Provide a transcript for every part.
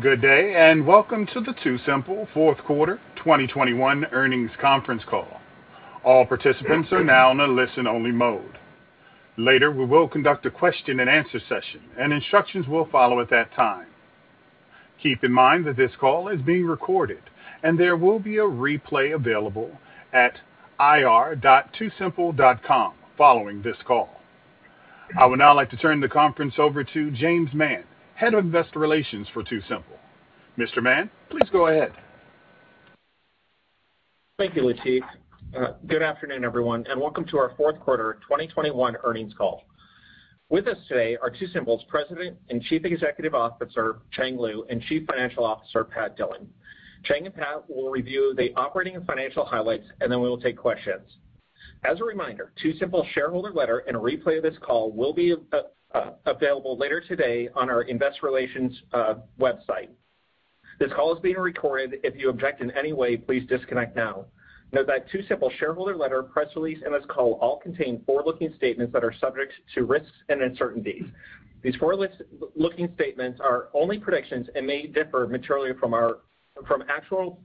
Good day, and welcome to the TuSimple fourth quarter 2021 earnings conference call. All participants are now in a listen-only mode. Later, we will conduct a question and answer session, and instructions will follow at that time. Keep in mind that this call is being recorded, and there will be a replay available at ir.tusimple.com following this call. I would now like to turn the conference over to James Mann, Head of Investor Relations for TuSimple. Mr. Mann, please go ahead. Thank you, Lateef. Good afternoon, everyone, and welcome to our fourth quarter 2021 earnings call. With us today are TuSimple's President and Chief Executive Officer, Cheng Lu, and Chief Financial Officer, Pat Dillon. Cheng and Pat will review the operating and financial highlights, and then we will take questions. As a reminder, TuSimple shareholder letter and a replay of this call will be available later today on our investor relations website. This call is being recorded. If you object in any way, please disconnect now. Note that TuSimple shareholder letter, press release, and this call all contain forward-looking statements that are subject to risks and uncertainties. These forward-looking statements are only predictions and may differ materially from actual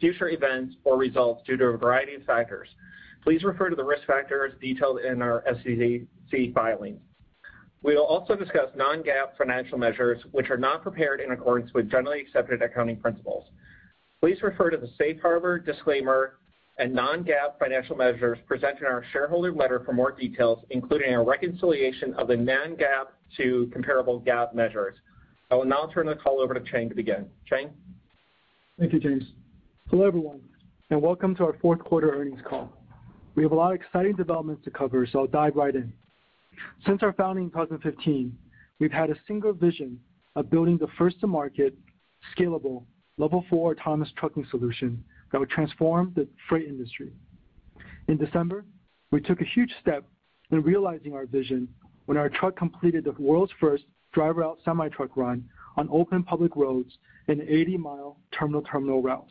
future events or results due to a variety of factors. Please refer to the risk factors detailed in our SEC filings. We will also discuss non-GAAP financial measures, which are not prepared in accordance with generally accepted accounting principles. Please refer to the safe harbor disclaimer and non-GAAP financial measures presented in our shareholder letter for more details, including a reconciliation of the non-GAAP to comparable GAAP measures. I will now turn the call over to Cheng to begin. Cheng? Thank you, James. Hello, everyone, and welcome to our fourth quarter earnings call. We have a lot of exciting developments to cover, so I'll dive right in. Since our founding in 2015, we've had a single vision of building the first to market scalable Level 4 autonomous trucking solution that would transform the freight industry. In December, we took a huge step in realizing our vision when our truck completed the world's first Driver Out semi-truck run on open public roads in an 80-mile terminal-to-terminal route.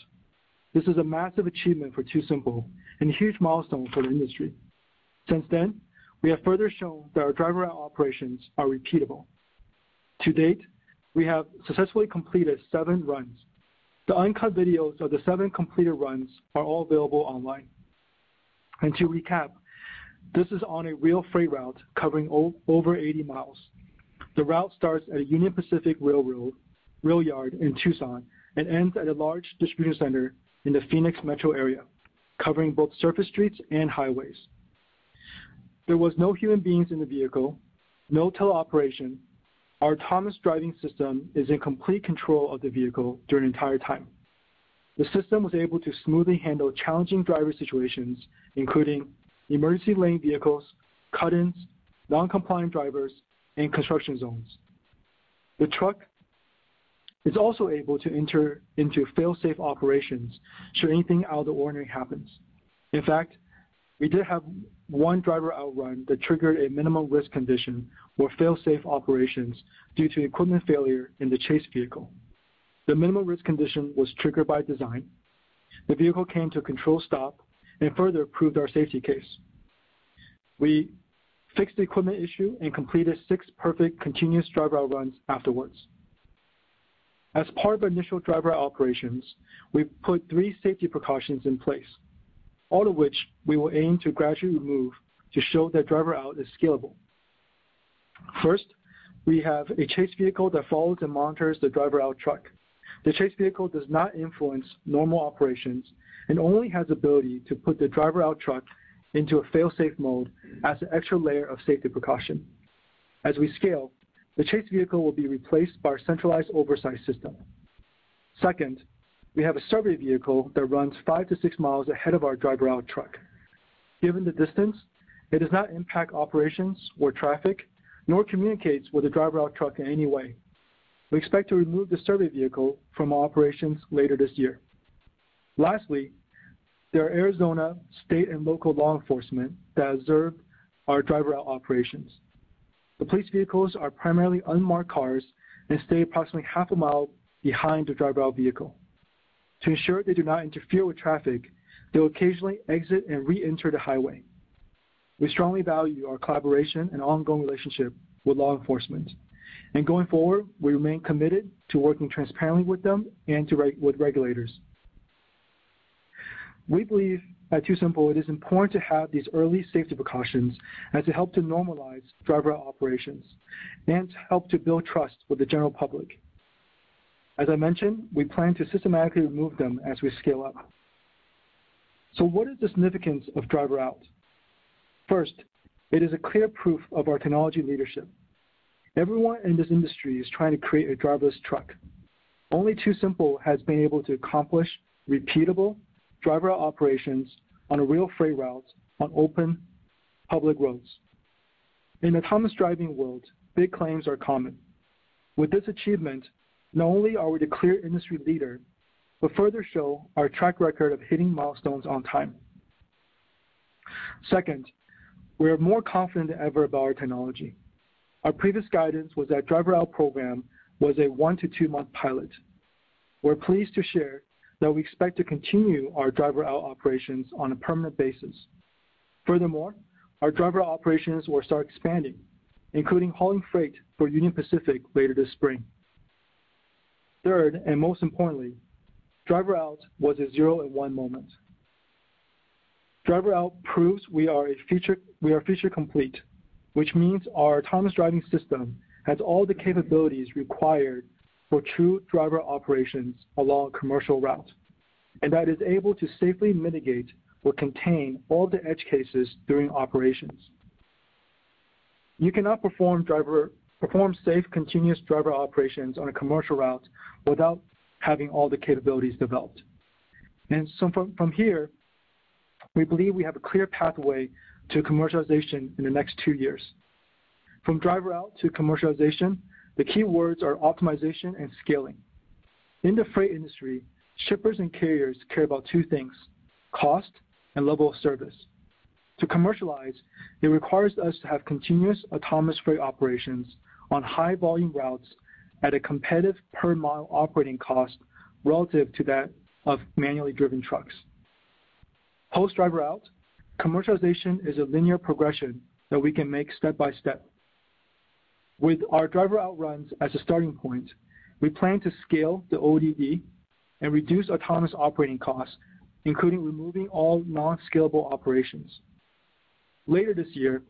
This is a massive achievement for TuSimple and a huge milestone for the industry. Since then, we have further shown that our Driver Out operations are repeatable. To date, we have successfully completed seven runs. The uncut videos of the seven completed runs are all available online. To recap, this is on a real freight route covering over 80 miles. The route starts at a Union Pacific Railroad rail yard in Tucson and ends at a large distribution center in the Phoenix metro area, covering both surface streets and highways. There was no human beings in the vehicle, no teleoperation. Our autonomous driving system is in complete control of the vehicle during the entire time. The system was able to smoothly handle challenging driving situations, including emergency lane vehicles, cut-ins, non-compliant drivers, and construction zones. The truck is also able to enter into fail-safe operations should anything out of the ordinary happens. In fact, we did have one Driver Out run that triggered a minimal risk condition or fail-safe operations due to equipment failure in the chase vehicle. The minimal risk condition was triggered by design. The vehicle came to a controlled stop and further proved our safety case. We fixed the equipment issue and completed six perfect continuous Driver Out runs afterwards. As part of our initial Driver Out operations, we put three safety precautions in place, all of which we will aim to gradually remove to show that Driver Out is scalable. First, we have a chase vehicle that follows and monitors the Driver Out truck. The chase vehicle does not influence normal operations and only has ability to put the Driver Out truck into a fail-safe mode as an extra layer of safety precaution. As we scale, the chase vehicle will be replaced by our centralized oversight system. Second, we have a survey vehicle that runs five to six miles ahead of our Driver Out truck. Given the distance, it does not impact operations or traffic, nor communicates with the Driver Out truck in any way. We expect to remove the survey vehicle from our operations later this year. Lastly, there are Arizona state and local law enforcement that observe our Driver Out operations. The police vehicles are primarily unmarked cars and stay approximately half a mile behind the Driver Out vehicle. To ensure they do not interfere with traffic, they'll occasionally exit and reenter the highway. We strongly value our collaboration and ongoing relationship with law enforcement. Going forward, we remain committed to working transparently with them and with regulators. We believe at TuSimple it is important to have these early safety precautions as they help to normalize Driver Out operations and to help to build trust with the general public. As I mentioned, we plan to systematically remove them as we scale up. What is the significance of Driver Out? First, it is a clear proof of our technology leadership. Everyone in this industry is trying to create a driverless truck. Only TuSimple has been able to accomplish repeatable Driver Out operations on a real freight route on open public roads. In autonomous driving world, big claims are common. With this achievement, not only are we the clear industry leader, but we further show our track record of hitting milestones on time. Second, we are more confident than ever about our technology. Our previous guidance was that Driver Out program was a 0ne-two-month pilot. We're pleased to share that we expect to continue our Driver Out operations on a permanent basis. Furthermore, our Driver Out operations will start expanding, including hauling freight for Union Pacific later this spring. Third, and most importantly, Driver Out was a zero-to-one moment. Driver Out proves we are feature complete, which means our autonomous driving system has all the capabilities required for true driver operations along commercial routes, and that is able to safely mitigate or contain all the edge cases during operations. You cannot perform safe, continuous driver operations on a commercial route without having all the capabilities developed. From here, we believe we have a clear pathway to commercialization in the next two years. From Driver Out to commercialization, the key words are optimization and scaling. In the freight industry, shippers and carriers care about two things, cost and level of service. To commercialize, it requires us to have continuous autonomous freight operations on high volume routes at a competitive per mile operating cost relative to that of manually driven trucks. Post Driver Out, commercialization is a linear progression that we can make step by step. With our Driver Out runs as a starting point, we plan to scale the ODD and reduce autonomous operating costs, including removing all non-scalable operations. Later this year,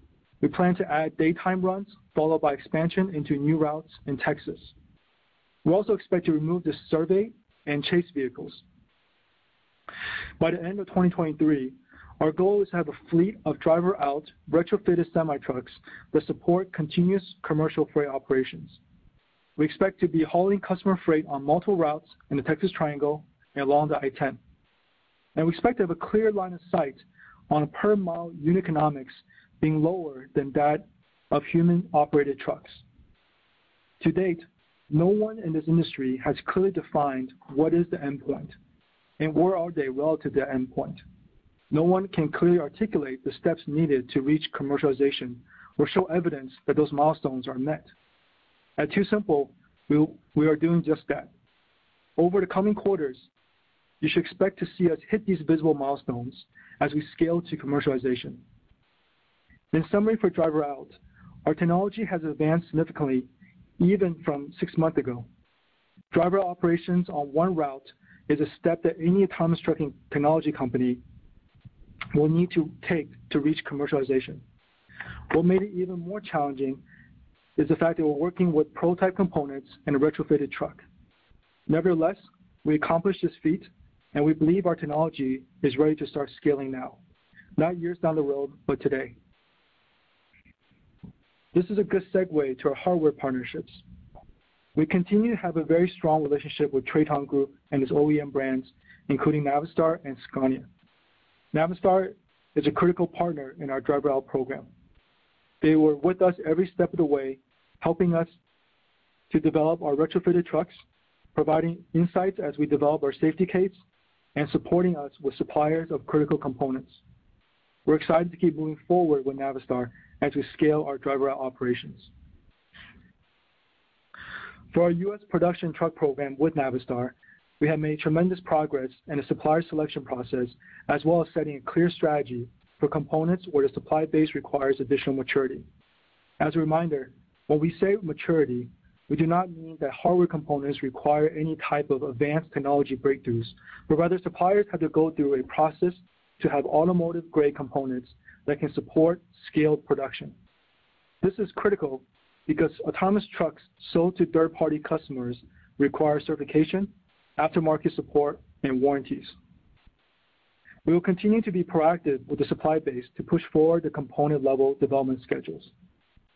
we plan to add daytime runs, followed by expansion into new routes in Texas. We also expect to remove the survey and chase vehicles. By the end of 2023, our goal is to have a fleet of Driver Out retrofitted semi-trucks that support continuous commercial freight operations. We expect to be hauling customer freight on multiple routes in the Texas Triangle and along the I-10. We expect to have a clear line of sight on a per mile unit economics being lower than that of human-operated trucks. To date, no one in this industry has clearly defined what is the endpoint and where are they relative to the endpoint. No one can clearly articulate the steps needed to reach commercialization or show evidence that those milestones are met. At TuSimple, we are doing just that. Over the coming quarters, you should expect to see us hit these visible milestones as we scale to commercialization. In summary, for Driver Out, our technology has advanced significantly even from six months ago. Driver operations on one route is a step that any autonomous trucking technology company will need to take to reach commercialization. What made it even more challenging is the fact that we're working with prototype components in a retrofitted truck. Nevertheless, we accomplished this feat, and we believe our technology is ready to start scaling now. Not years down the road, but today. This is a good segue to our hardware partnerships. We continue to have a very strong relationship with TRATON GROUP and its OEM brands, including Navistar and Scania. Navistar is a critical partner in our Driver Out program. They were with us every step of the way, helping us to develop our retrofitted trucks, providing insights as we develop our safety case, and supporting us with suppliers of critical components. We're excited to keep moving forward with Navistar as we scale our Driver Out operations. For our U.S. production truck program with Navistar, we have made tremendous progress in the supplier selection process, as well as setting a clear strategy for components where the supply base requires additional maturity. As a reminder, when we say maturity, we do not mean that hardware components require any type of advanced technology breakthroughs, but rather suppliers have to go through a process to have automotive-grade components that can support scaled production. This is critical because autonomous trucks sold to third-party customers require certification, aftermarket support, and warranties. We will continue to be proactive with the supply base to push forward the component-level development schedules.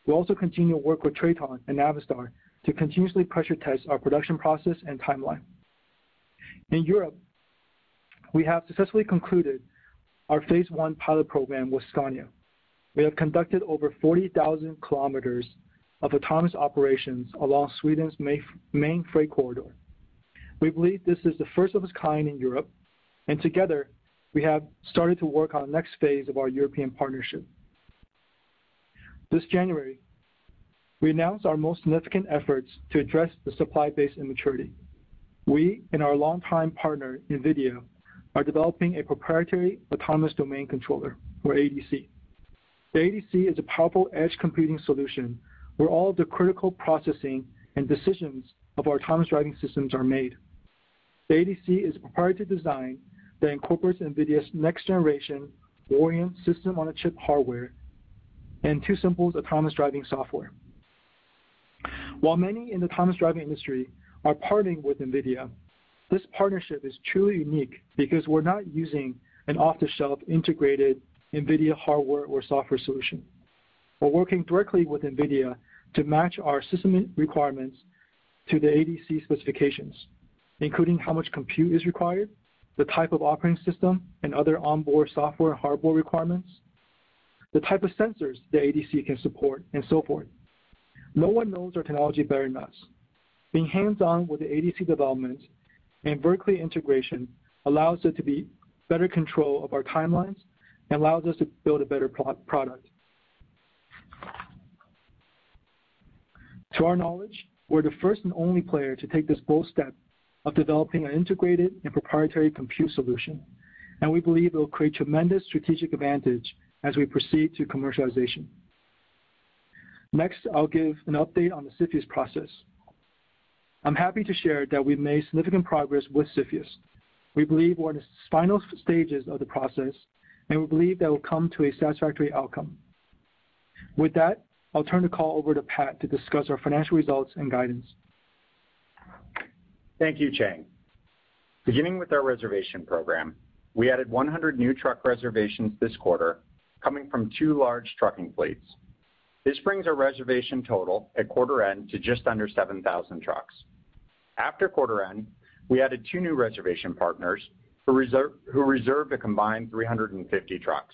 We'll also continue to work with TRATON and Navistar to continuously pressure test our production process and timeline. In Europe, we have successfully concluded our phase one pilot program with Scania. We have conducted over 40,000 km of autonomous operations along Sweden's main freight corridor. We believe this is the first of its kind in Europe, and together, we have started to work on the next phase of our European partnership. This January, we announced our most significant efforts to address the supply base immaturity. We and our longtime partner, NVIDIA, are developing a proprietary autonomous domain controller, or ADC. The ADC is a powerful edge computing solution where all the critical processing and decisions of autonomous driving systems are made. The ADC is a proprietary design that incorporates NVIDIA's next generation Orin system-on-a-chip hardware and TuSimple's autonomous driving software. While many in the autonomous driving industry are partnering with NVIDIA, this partnership is truly unique because we're not using an off-the-shelf integrated NVIDIA hardware or software solution. We're working directly with NVIDIA to match our system requirements to the ADC specifications, including how much compute is required, the type of operating system, and other onboard software, hardware requirements, the type of sensors the ADC can support, and so forth. No one knows our technology better than us. Being hands-on with the ADC development and vertical integration allows us to have better control of our timelines and allows us to build a better end product. To our knowledge, we're the first and only player to take this bold step of developing an integrated and proprietary compute solution, and we believe it will create tremendous strategic advantage as we proceed to commercialization. Next, I'll give an update on the CFIUS process. I'm happy to share that we've made significant progress with CFIUS. We believe we're in the final stages of the process, and we believe that will come to a satisfactory outcome. With that, I'll turn the call over to Pat to discuss our financial results and guidance. Thank you, Cheng. Beginning with our reservation program, we added 100 new truck reservations this quarter, coming from two large trucking fleets. This brings our reservation total at quarter end to just under 7,000 trucks. After quarter end, we added two new reservation partners who reserved a combined 350 trucks.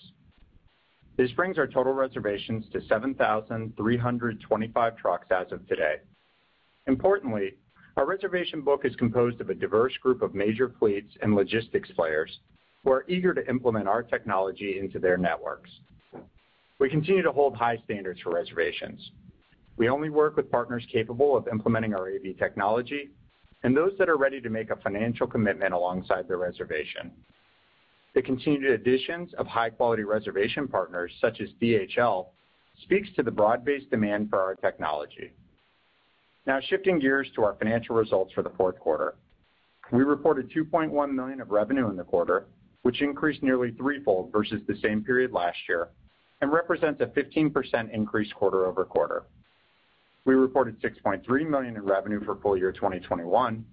This brings our total reservations to 7,325 trucks as of today. Importantly, our reservation book is composed of a diverse group of major fleets and logistics players who are eager to implement our technology into their networks. We continue to hold high standards for reservations. We only work with partners capable of implementing our AV technology and those that are ready to make a financial commitment alongside their reservation. The continued additions of high-quality reservation partners, such as DHL, speaks to the broad-based demand for our technology. Now shifting gears to our financial results for the fourth quarter. We reported $2.1 million of revenue in the quarter, which increased nearly threefold versus the same period last year and represents a 15% increase quarter-over-quarter. We reported $6.3 million in revenue for full year 2021,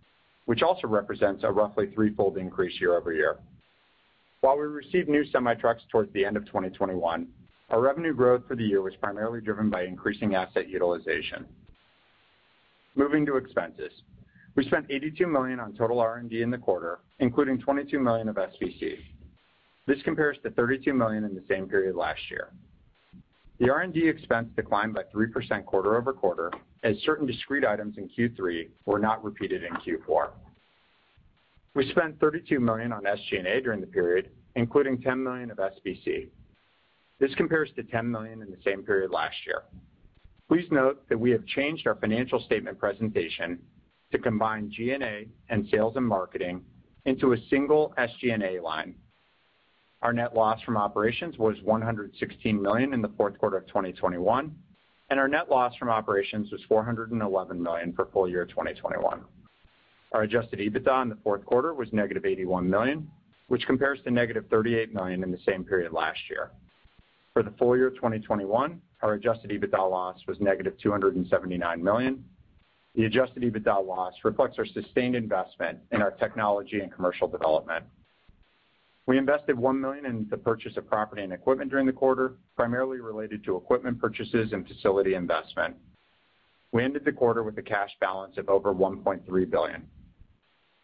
which also represents a roughly threefold increase year-over-year. While we received new semi-trucks towards the end of 2021, our revenue growth for the year was primarily driven by increasing asset utilization. Moving to expenses. We spent $82 million on total R&D in the quarter, including $22 million of SBC. This compares to $32 million in the same period last year. The R&D expense declined by 3% quarter-over-quarter, as certain discrete items in Q3 were not repeated in Q4. We spent $32 million on SG&A during the period, including $10 million of SBC. This compares to $10 million in the same period last year. Please note that we have changed our financial statement presentation to combine G&A and sales and marketing into a single SG&A line. Our net loss from operations was $116 million in the fourth quarter of 2021, and our net loss from operations was $411 million for full year 2021. Our adjusted EBITDA in the fourth quarter was $-81 million, which compares to $-38 million in the same period last year. For the full year of 2021, our adjusted EBITDA loss was $-279 million. The adjusted EBITDA loss reflects our sustained investment in our technology and commercial development. We invested $1 million in the purchase of property and equipment during the quarter, primarily related to equipment purchases and facility investment. We ended the quarter with a cash balance of over $1.3 billion.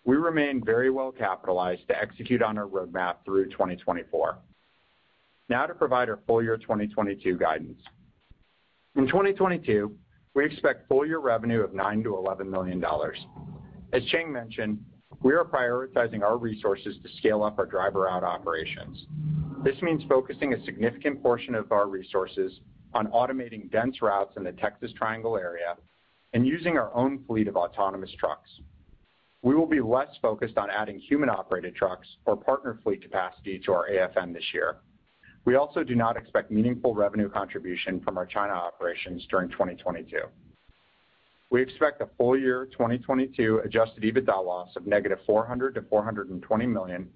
We remain very well capitalized to execute on our roadmap through 2024. Now to provide our full year 2022 guidance. In 2022, we expect full year revenue of $9 million-$11 million. As Cheng mentioned, we are prioritizing our resources to scale up our Driver Out operations. This means focusing a significant portion of our resources on automating dense routes in the Texas Triangle area and using our own fleet of autonomous trucks. We will be less focused on adding human-operated trucks or partner fleet capacity to our AFM this year. We also do not expect meaningful revenue contribution from our China operations during 2022. We expect a full year 2022 adjusted EBITDA loss of -$400 million to -$420 million,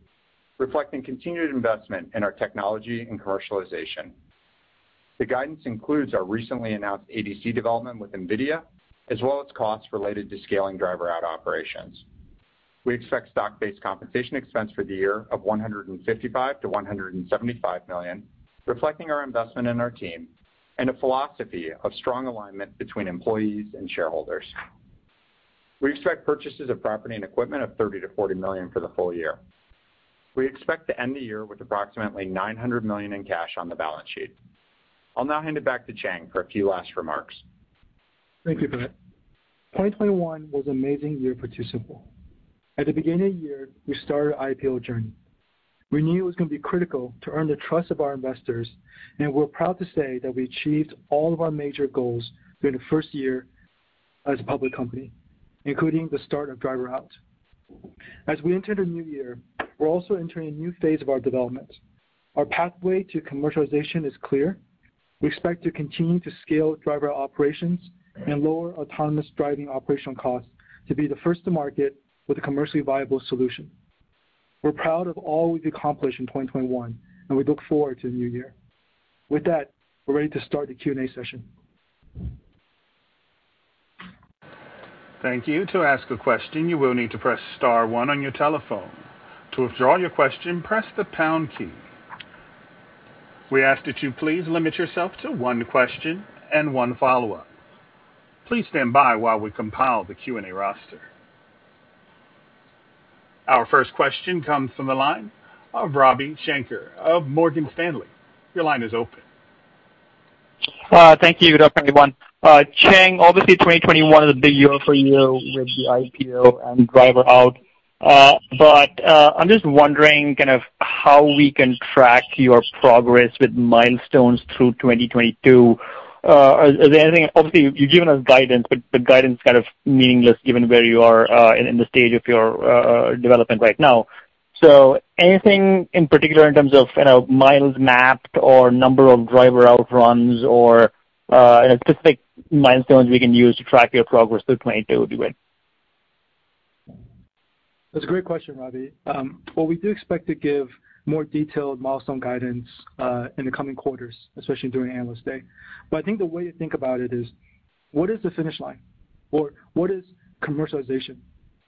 reflecting continued investment in our technology and commercialization. The guidance includes our recently announced ADC development with NVIDIA, as well as costs related to scaling Driver Out operations. We expect stock-based compensation expense for the year of $155 million-$175 million, reflecting our investment in our team and a philosophy of strong alignment between employees and shareholders. We expect purchases of property and equipment of $30 million-$40 million for the full year. We expect to end the year with approximately $900 million in cash on the balance sheet. I'll now hand it back to Cheng for a few last remarks. Thank you, Pat. 2021 was an amazing year for TuSimple. At the beginning of the year, we started our IPO journey. We knew it was gonna be critical to earn the trust of our investors, and we're proud to say that we achieved all of our major goals during the first year as a public company, including the start of Driver Out. As we enter the new year, we're also entering a new phase of our development. Our pathway to commercialization is clear. We expect to continue to scale Driver Out operations and lower autonomous driving operational costs to be the first to market with a commercially viable solution. We're proud of all we've accomplished in 2021, and we look forward to the new year. With that, we're ready to start the Q&A session. Thank you. To ask a question, you will need to press star one on your telephone. To withdraw your question, press the pound key. We ask that you please limit yourself to one question and one follow-up. Please stand by while we compile the Q&A roster. Our first question comes from the line of Ravi Shanker of Morgan Stanley. Your line is open. Thank you. Good afternoon, everyone. Cheng, obviously, 2021 was a big year for you with the IPO and Driver Out, but I'm just wondering kind of how we can track your progress with milestones through 2022. Is there anything? Obviously, you've given us guidance, but guidance is kind of meaningless given where you are in the stage of your development right now. Anything in particular in terms of, you know, miles mapped or number of Driver Out runs or specific milestones we can use to track your progress through 2022 would be great. That's a great question, Ravi. Well, we do expect to give more detailed milestone guidance in the coming quarters, especially during Analyst Day. I think the way to think about it is, what is the finish line or what is commercialization?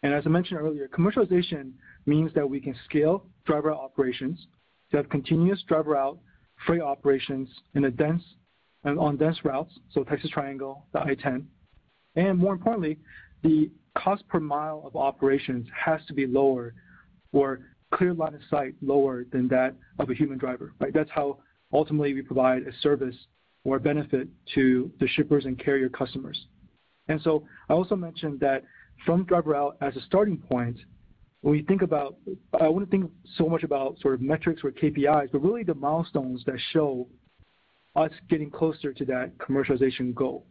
As I mentioned earlier, commercialization means that we can scale Driver Out operations to have continuous Driver Out freight operations in a dense and on dense routes, so Texas Triangle, the I-10. More importantly, the cost per mile of operations has to be lower or clear line of sight lower than that of a human driver, right? That's how ultimately we provide a service or a benefit to the shippers and carrier customers. I also mentioned that from Driver Out as a starting point, when we think about... I wouldn't think so much about sort of metrics or KPIs, but really the milestones that show us getting closer to that commercialization goal.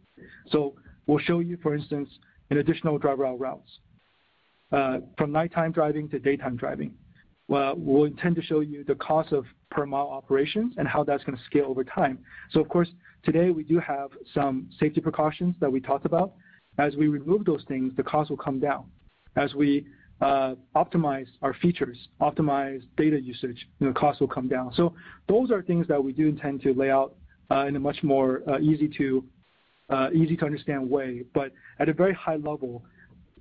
We'll show you, for instance, in additional Driver Out routes, from nighttime driving to daytime driving, where we'll intend to show you the cost per mile operations and how that's gonna scale over time. Of course, today we do have some safety precautions that we talked about. As we remove those things, the cost will come down. As we optimize our features, optimize data usage, you know, cost will come down. Those are things that we do intend to lay out in a much more easy-to-understand way. At a very high level,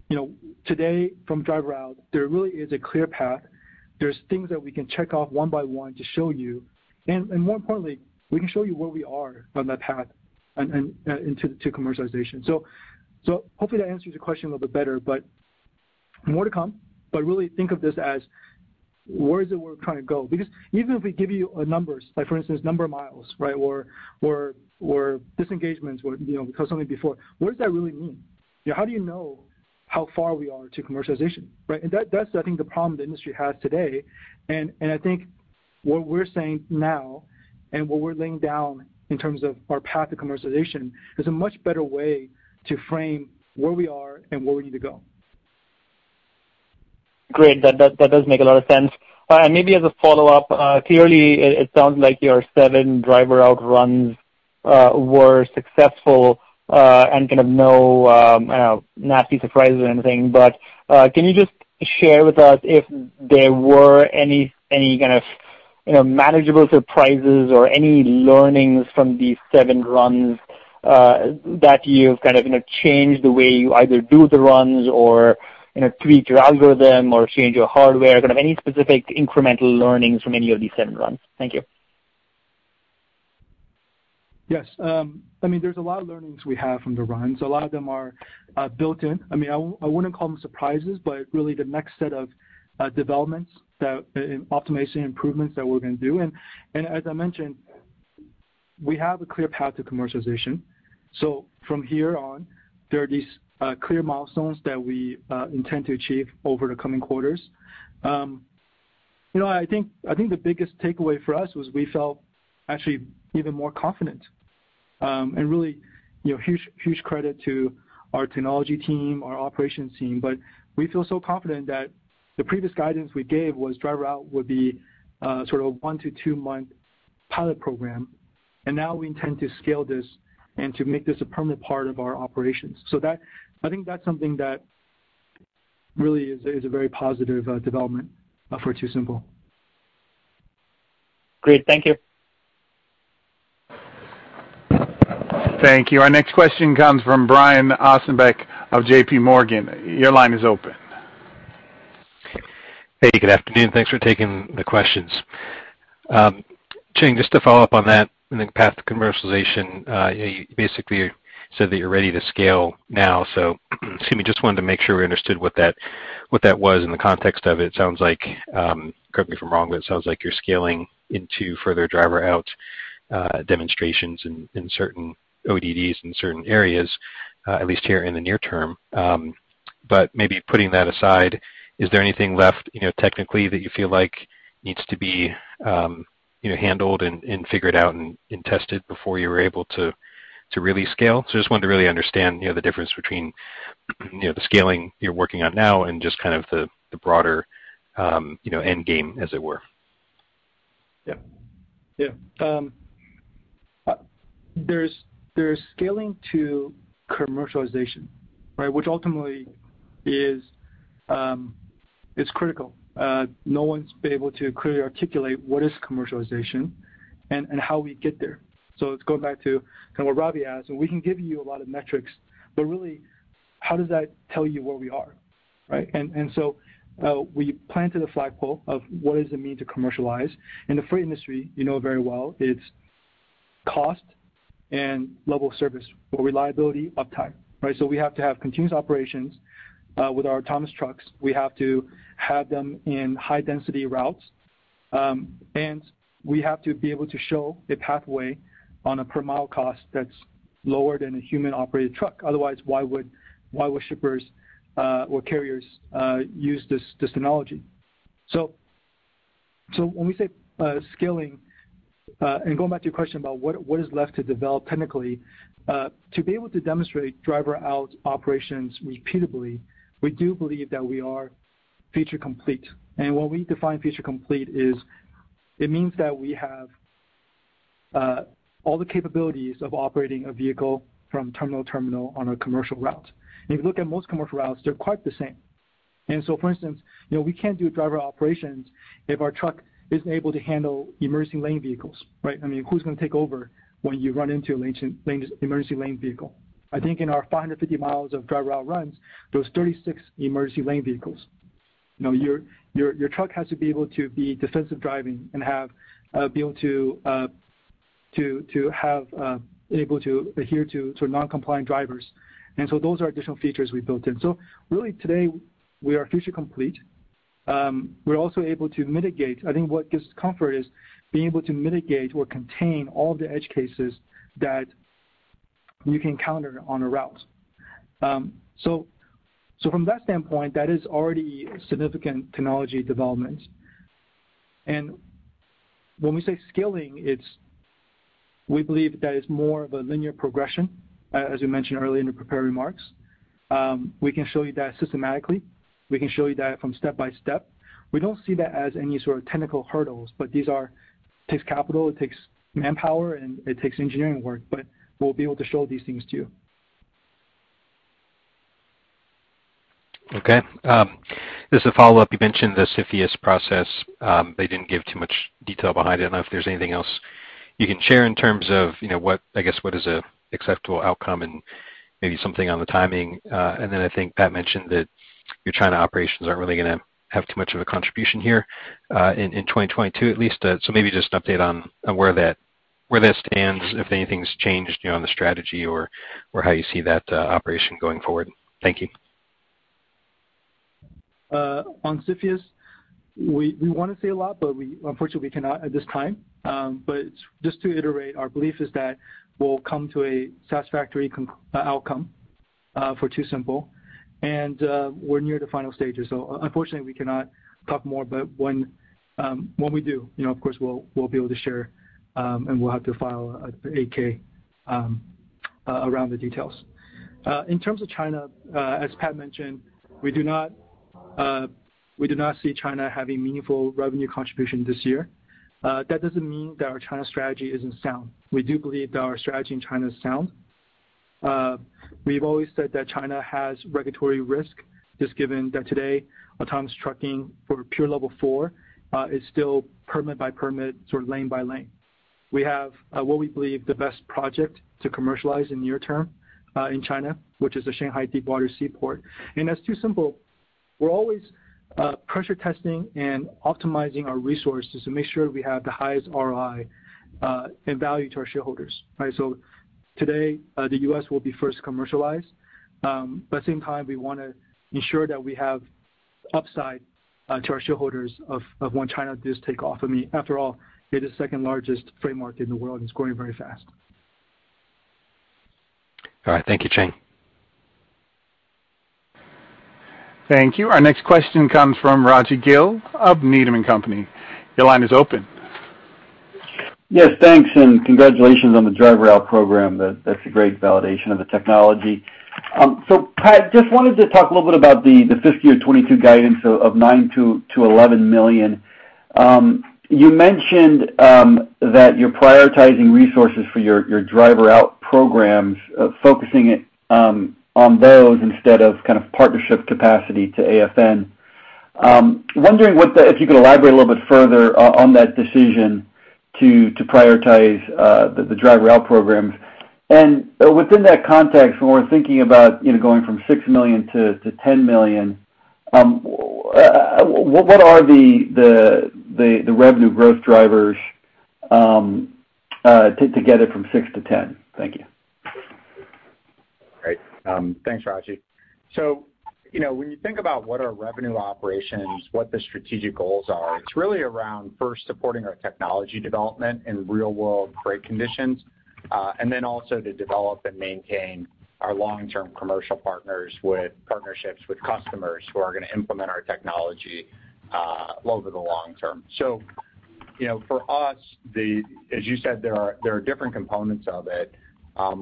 you know, today from Driver Out, there really is a clear path. There's things that we can check off one by one to show you. More importantly, we can show you where we are on that path to commercialization. Hopefully that answers your question a little bit better, but more to come. Really think of this as where is it we're trying to go. Because even if we give you numbers, like for instance, number of miles, right, or disengagements or, you know, cost something before, what does that really mean? You know, how do you know how far we are to commercialization, right? That's I think the problem the industry has today. I think what we're saying now and what we're laying down in terms of our path to commercialization is a much better way to frame where we are and where we need to go. Great. That does make a lot of sense. And maybe as a follow-up, clearly it sounds like your seven Driver Out runs were successful, and kind of no nasty surprises or anything. But can you just share with us if there were any kind of, you know, manageable surprises or any learnings from these seven runs, that you've kind of, you know, changed the way you either do the runs or, you know, tweak your algorithm or change your hardware, kind of any specific incremental learnings from any of these seven runs? Thank you. Yes. I mean, there's a lot of learnings we have from the runs. A lot of them are built in. I mean, I wouldn't call them surprises, but really the next set of developments and optimization improvements that we're gonna do. As I mentioned, we have a clear path to commercialization. From here on, there are these clear milestones that we intend to achieve over the coming quarters. You know, I think the biggest takeaway for us was we felt actually even more confident, and really, you know, huge credit to our technology team, our operations team. We feel so confident that the previous guidance we gave was Driver Out would be sort of one- to two-month pilot program, and now we intend to scale this and to make this a permanent part of our operations. I think that's something that really is a very positive development for TuSimple. Great. Thank you. Thank you. Our next question comes from Brian Ossenbeck of J.P. Morgan. Your line is open. Hey, good afternoon. Thanks for taking the questions. Cheng, just to follow up on that, I think path to commercialization, you basically said that you're ready to scale now. Excuse me, just wanted to make sure we understood what that was in the context of it. It sounds like, correct me if I'm wrong, but it sounds like you're scaling into further Driver Out demonstrations in certain ODDs in certain areas, at least here in the near term. Maybe putting that aside, is there anything left, you know, technically that you feel like needs to be, you know, handled and figured out and tested before you were able to really scale? Just wanted to really understand, you know, the difference between, you know, the scaling you're working on now and just kind of the broader, you know, end game, as it were. There's scaling to commercialization, right? Which ultimately is critical. No one's been able to clearly articulate what is commercialization and how we get there. Let's go back to kind of what Ravi asked. We can give you a lot of metrics, but really how does that tell you where we are, right? We planted a flagpole of what does it mean to commercialize. In the freight industry, you know very well it's cost and level of service or reliability, uptime, right? We have to have continuous operations with our autonomous trucks. We have to have them in high-density routes. We have to be able to show a pathway on a per mile cost that's lower than a human-operated truck. Otherwise, why would shippers or carriers use this technology? When we say scaling and going back to your question about what is left to develop technically to be able to demonstrate Driver-Out operations repeatably, we do believe that we are feature complete. What we define feature complete is it means that we have all the capabilities of operating a vehicle from terminal to terminal on a commercial route. If you look at most commercial routes, they're quite the same. For instance, you know, we can't do Driver-Out operations if our truck isn't able to handle emergency lane vehicles, right? I mean, who's gonna take over when you run into an emergency lane vehicle? I think in our 550 miles of Driver-Out runs, there was 36 emergency lane vehicles. You know, your truck has to be able to be defensive driving and have be able to adhere to non-compliant drivers. Those are additional features we built in. Really today, we are feature complete. We're also able to mitigate. I think what gives comfort is being able to mitigate or contain all the edge cases that you can encounter on a route. From that standpoint, that is already significant technology development. When we say scaling, it's we believe that it's more of a linear progression, as you mentioned earlier in the prepared remarks. We can show you that systematically. We can show you that from step by step. We don't see that as any sort of technical hurdles, but these are, takes capital, it takes manpower, and it takes engineering work, but we'll be able to show these things to you. Okay. Just a follow-up. You mentioned the CFIUS process. You didn't give too much detail behind it. I don't know if there's anything else you can share in terms of, you know, I guess, what is a acceptable outcome and maybe something on the timing. I think Pat mentioned that your China operations aren't really gonna have too much of a contribution here, in 2022 at least. Maybe just an update on where that stands, if anything's changed, you know, on the strategy or how you see that operation going forward. Thank you. On CFIUS, we wanna say a lot, but we unfortunately cannot at this time. Just to iterate, our belief is that we'll come to a satisfactory outcome for TuSimple, and we're near the final stages. Unfortunately, we cannot talk more, but when we do, you know, of course, we'll be able to share, and we'll have to file an 8-K around the details. In terms of China, as Pat mentioned, we do not see China having meaningful revenue contribution this year. That doesn't mean that our China strategy isn't sound. We do believe that our strategy in China is sound. We've always said that China has regulatory risk, just given that today autonomous trucking for pure Level 4 is still permit by permit, sort of lane by lane. We have what we believe the best project to commercialize in near term in China, which is the Shanghai Deep Water Seaport. As TuSimple, we're always pressure testing and optimizing our resources to make sure we have the highest ROI and value to our shareholders, right? Today the U.S. will be first commercialized. At the same time, we wanna ensure that we have upside to our shareholders of when China does take off. I mean, after all, it is second-largest free market in the world and it's growing very fast. All right. Thank you, Cheng. Thank you. Our next question comes from Rajvindra Gill of Needham & Company. Your line is open. Yes, thanks, and congratulations on the Driver Out program. That's a great validation of the technology. So Pat, just wanted to talk a little bit about the fiscal year 2022 guidance of $9 million-$11 million. You mentioned that you're prioritizing resources for your Driver Out programs, focusing it on those instead of kind of partnership capacity to AFN. Wondering if you could elaborate a little bit further on that decision to prioritize the Driver Out programs. Within that context, when we're thinking about, you know, going from $6 million to $10 million, what are the revenue growth drivers to get it from six to 10? Thank you. Great. Thanks, Rajvi. You know, when you think about what are revenue operations, what the strategic goals are, it's really around first supporting our technology development in real world freight conditions, and then also to develop and maintain our long-term commercial partners with partnerships with customers who are gonna implement our technology, over the long term. You know, for us, as you said, there are different components of it.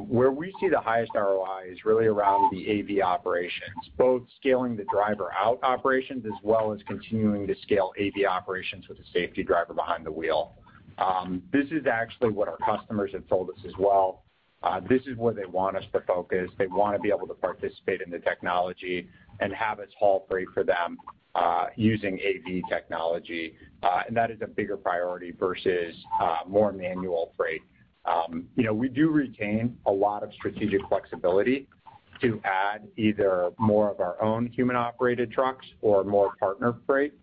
Where we see the highest ROI is really around the AV operations, both scaling the driver out operations as well as continuing to scale AV operations with a safety driver behind the wheel. This is actually what our customers have told us as well. This is where they want us to focus. They wanna be able to participate in the technology and have it haul freight for them, using AV technology. That is a bigger priority versus more manual freight. You know, we do retain a lot of strategic flexibility to add either more of our own human-operated trucks or more partner freight.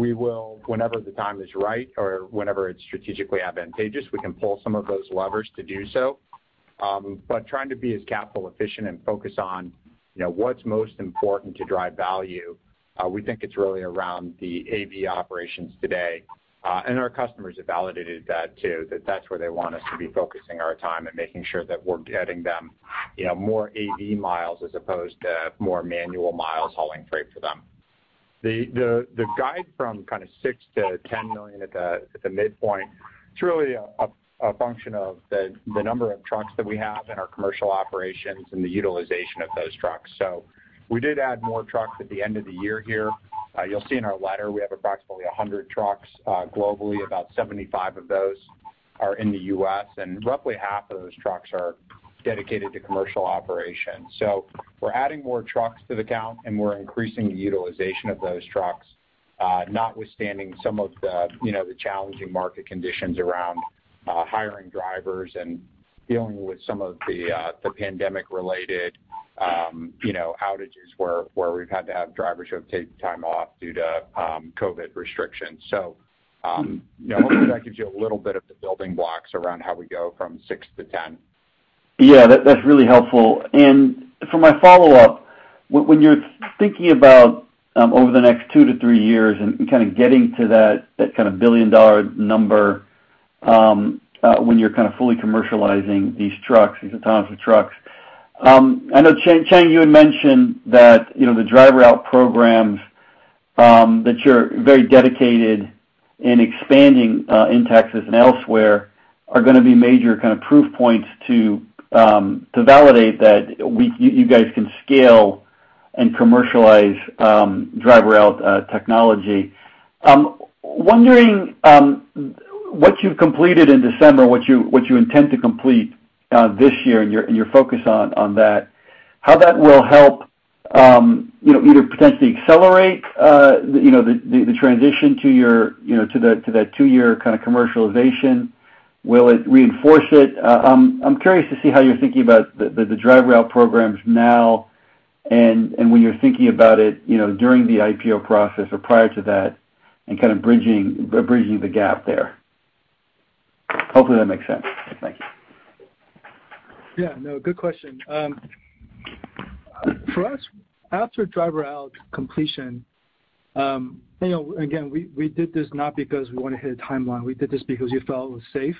We will, whenever the time is right or whenever it's strategically advantageous, we can pull some of those levers to do so. Trying to be as capital efficient and focus on, you know, what's most important to drive value, we think it's really around the AV operations today. Our customers have validated that too, that that's where they want us to be focusing our time and making sure that we're getting them, you know, more AV miles as opposed to more manual miles hauling freight for them. The guide from kind of $6 million-$10 million at the midpoint, it's really a function of the number of trucks that we have in our commercial operations and the utilization of those trucks. We did add more trucks at the end of the year here. You'll see in our letter, we have approximately 100 trucks globally. About 75 of those are in the U.S., and roughly half of those trucks are dedicated to commercial operations. We're adding more trucks to the count, and we're increasing the utilization of those trucks, notwithstanding some of the, you know, the challenging market conditions around hiring drivers and dealing with some of the the pandemic-related, you know, outages where we've had to have drivers who have taken time off due to COVID restrictions. You know, hopefully that gives you a little bit of the building blocks around how we go from six to 10. Yeah, that's really helpful. For my follow-up, when you're thinking about over the next two to three years and kind of getting to that kind of billion-dollar number, when you're kind of fully commercializing these trucks, these autonomous trucks, I know Cheng, you had mentioned that, you know, the Driver Out programs that you're very dedicated in expanding in Texas and elsewhere are gonna be major kind of proof points to validate that you guys can scale and commercialize Driver Out technology. Wondering what you've completed in December, what you intend to complete this year and your focus on that, how that will help, you know, either potentially accelerate, you know, the transition to your, you know, to that two-year kind of commercialization. Will it reinforce it? I'm curious to see how you're thinking about the Driver Out programs now and when you're thinking about it, you know, during the IPO process or prior to that and kind of bridging the gap there. Hopefully that makes sense. Thank you. Yeah, no, good question. For us, after Driver Out completion, you know, again, we did this not because we wanna hit a timeline. We did this because we felt it was safe,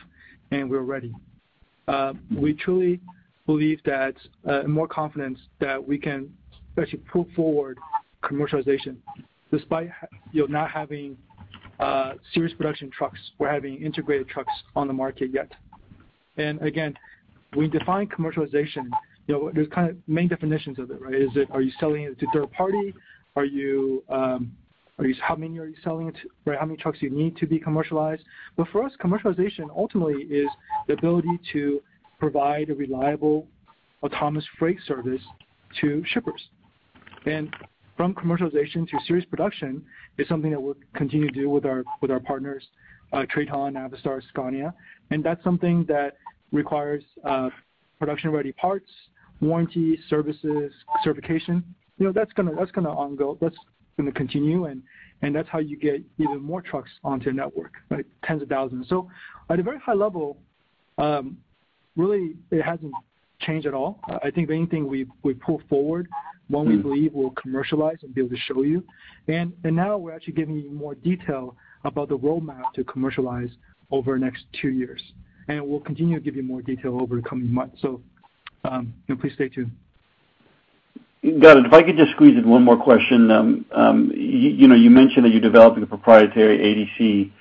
and we're ready. We truly believe that more confidence that we can actually pull forward commercialization despite not having serious production trucks or having integrated trucks on the market yet. We define commercialization, you know, there's kind of main definitions of it, right? Is it, are you selling it to third party? Are you How many are you selling it? Right, how many trucks do you need to be commercialized? For us, commercialization ultimately is the ability to provide a reliable autonomous freight service to shippers. From commercialization to serious production is something that we'll continue to do with our partners, TRATON, Navistar, Scania. That's something that requires production-ready parts, warranty, services, certification. You know, that's gonna be ongoing, that's gonna continue and that's how you get even more trucks onto your network, right? Tens of thousands. At a very high level, really it hasn't changed at all. I think the only thing we've pulled forward, one we believe we'll commercialize and be able to show you. Now we're actually giving you more detail about the roadmap to commercialize over the next two years. We'll continue to give you more detail over the coming months. You know, please stay tuned. Got it. If I could just squeeze in one more question. You know, you mentioned that you're developing a proprietary ADC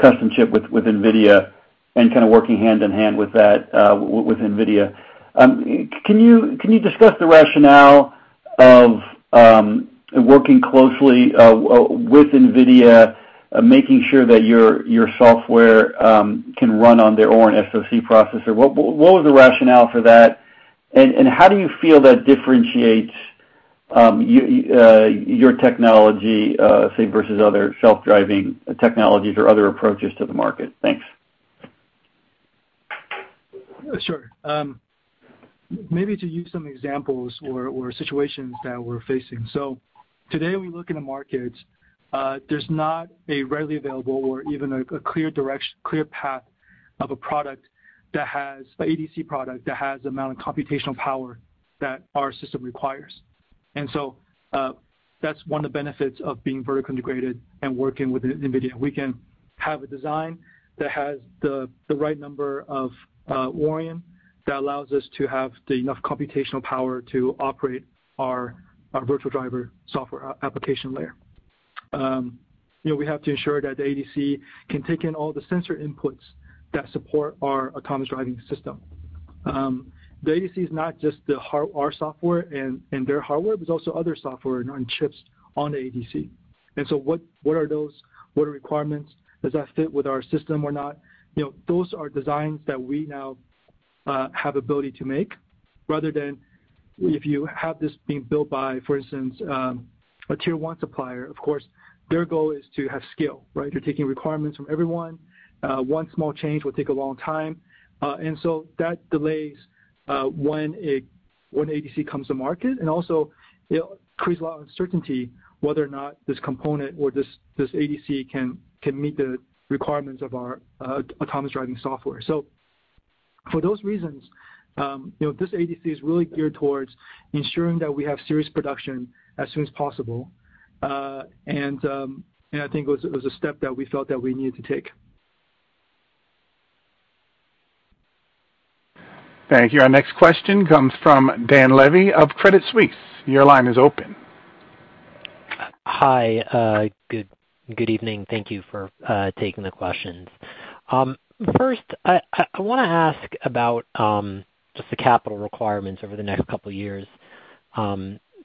custom chip with NVIDIA and kinda working hand in hand with that, with NVIDIA. Can you discuss the rationale of working closely with NVIDIA, making sure that your software can run on their own SoC processor? What was the rationale for that? How do you feel that differentiates your technology, say versus other self-driving technologies or other approaches to the market? Thanks. Sure. Maybe to use some examples or situations that we're facing. Today, we look in the markets, there's not a readily available or even a clear path of a product that has the ADC product that has the amount of computational power that our system requires. That's one of the benefits of being vertically integrated and working with NVIDIA. We can have a design that has the right number of Orin that allows us to have enough computational power to operate our virtual driver software application layer. You know, we have to ensure that the ADC can take in all the sensor inputs that support our autonomous driving system. The ADC is not just our software and their hardware, but it's also other software and chips on the ADC. What are those? What are requirements? Does that fit with our system or not? You know, those are designs that we now have ability to make rather than if you have this being built by, for instance, a tier one supplier. Of course, their goal is to have scale, right? They're taking requirements from everyone. One small change will take a long time. That delays when ADC comes to market, and also it'll increase a lot of uncertainty whether or not this component or this ADC can meet the requirements of our autonomous driving software. For those reasons, you know, this ADC is really geared towards ensuring that we have serious production as soon as possible. I think it was a step that we felt that we needed to take. Thank you. Our next question comes from Dan Levy of Credit Suisse. Your line is open. Hi. Good evening. Thank you for taking the questions. First, I wanna ask about just the capital requirements over the next couple years.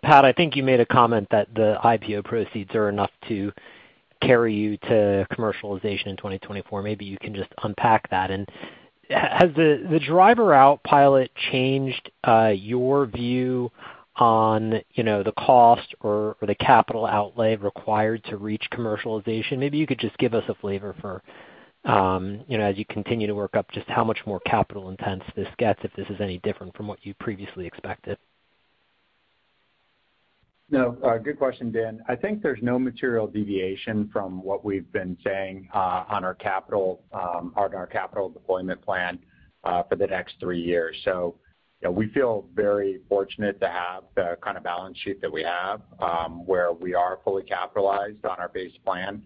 Pat, I think you made a comment that the IPO proceeds are enough to carry you to commercialization in 2024. Maybe you can just unpack that. Has the Driver Out pilot changed your view on, you know, the cost or the capital outlay required to reach commercialization? Maybe you could just give us a flavor for, you know, as you continue to work up, just how much more capital intensive this gets, if this is any different from what you previously expected. No, good question, Dan. I think there's no material deviation from what we've been saying on our capital deployment plan for the next three years. You know, we feel very fortunate to have the kind of balance sheet that we have, where we are fully capitalized on our base plan.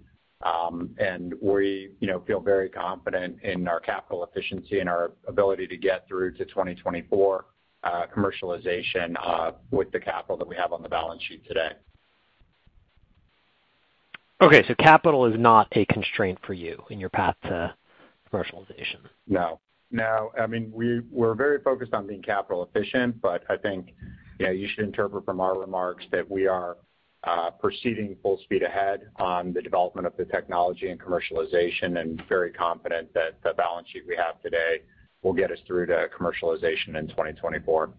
We feel very confident in our capital efficiency and our ability to get through to 2024 commercialization with the capital that we have on the balance sheet today. Okay, capital is not a constraint for you in your path to commercialization? No. I mean, we're very focused on being capital efficient, but I think, you know, you should interpret from our remarks that we are proceeding full speed ahead on the development of the technology and commercialization and very confident that the balance sheet we have today will get us through to commercialization in 2024.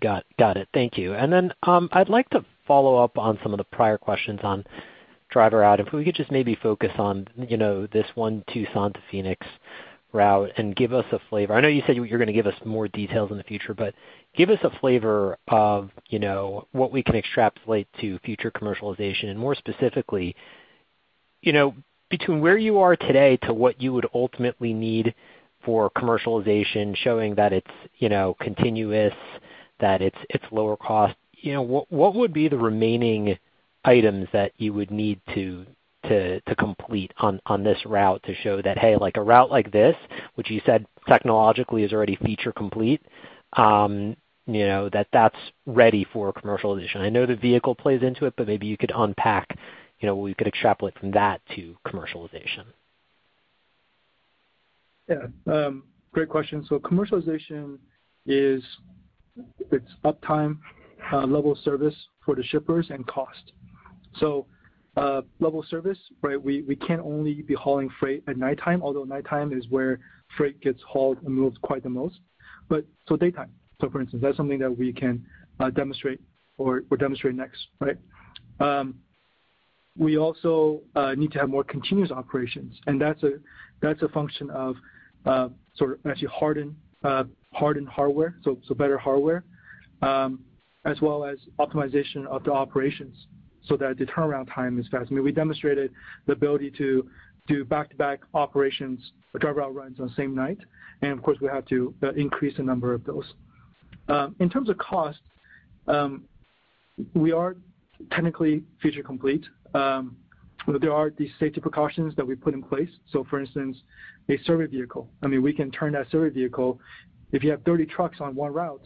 Got it. Thank you. I'd like to follow up on some of the prior questions on Driver Out. If we could just maybe focus on, you know, this one Tucson to Phoenix route and give us a flavor. I know you said you're gonna give us more details in the future, but give us a flavor of, you know, what we can extrapolate to future commercialization. More specifically, you know, between where you are today to what you would ultimately need for commercialization, showing that it's, you know, continuous, that it's lower cost, you know, what would be the remaining items that you would need to complete on this route to show that, hey, like a route like this, which you said technologically is already feature complete, you know, that that's ready for commercialization? I know the vehicle plays into it, but maybe you could unpack, you know, what we could extrapolate from that to commercialization. Yeah. Great question. Commercialization is uptime, level of service for the shippers and cost. Level of service, right? We can't only be hauling freight at nighttime, although nighttime is where freight gets hauled and moved quite the most. Daytime, for instance, that's something that we can demonstrate next, right? We also need to have more continuous operations, and that's a function of sort of actually hardened hardware, so better hardware, as well as optimization of the operations so that the turnaround time is fast. I mean, we demonstrated the ability to do back-to-back operations for Driver Out runs on the same night, and of course, we have to increase the number of those. In terms of cost, we are technically feature complete. There are these safety precautions that we put in place. For instance, a survey vehicle, I mean, we can turn that survey vehicle. If you have 30 trucks on one route,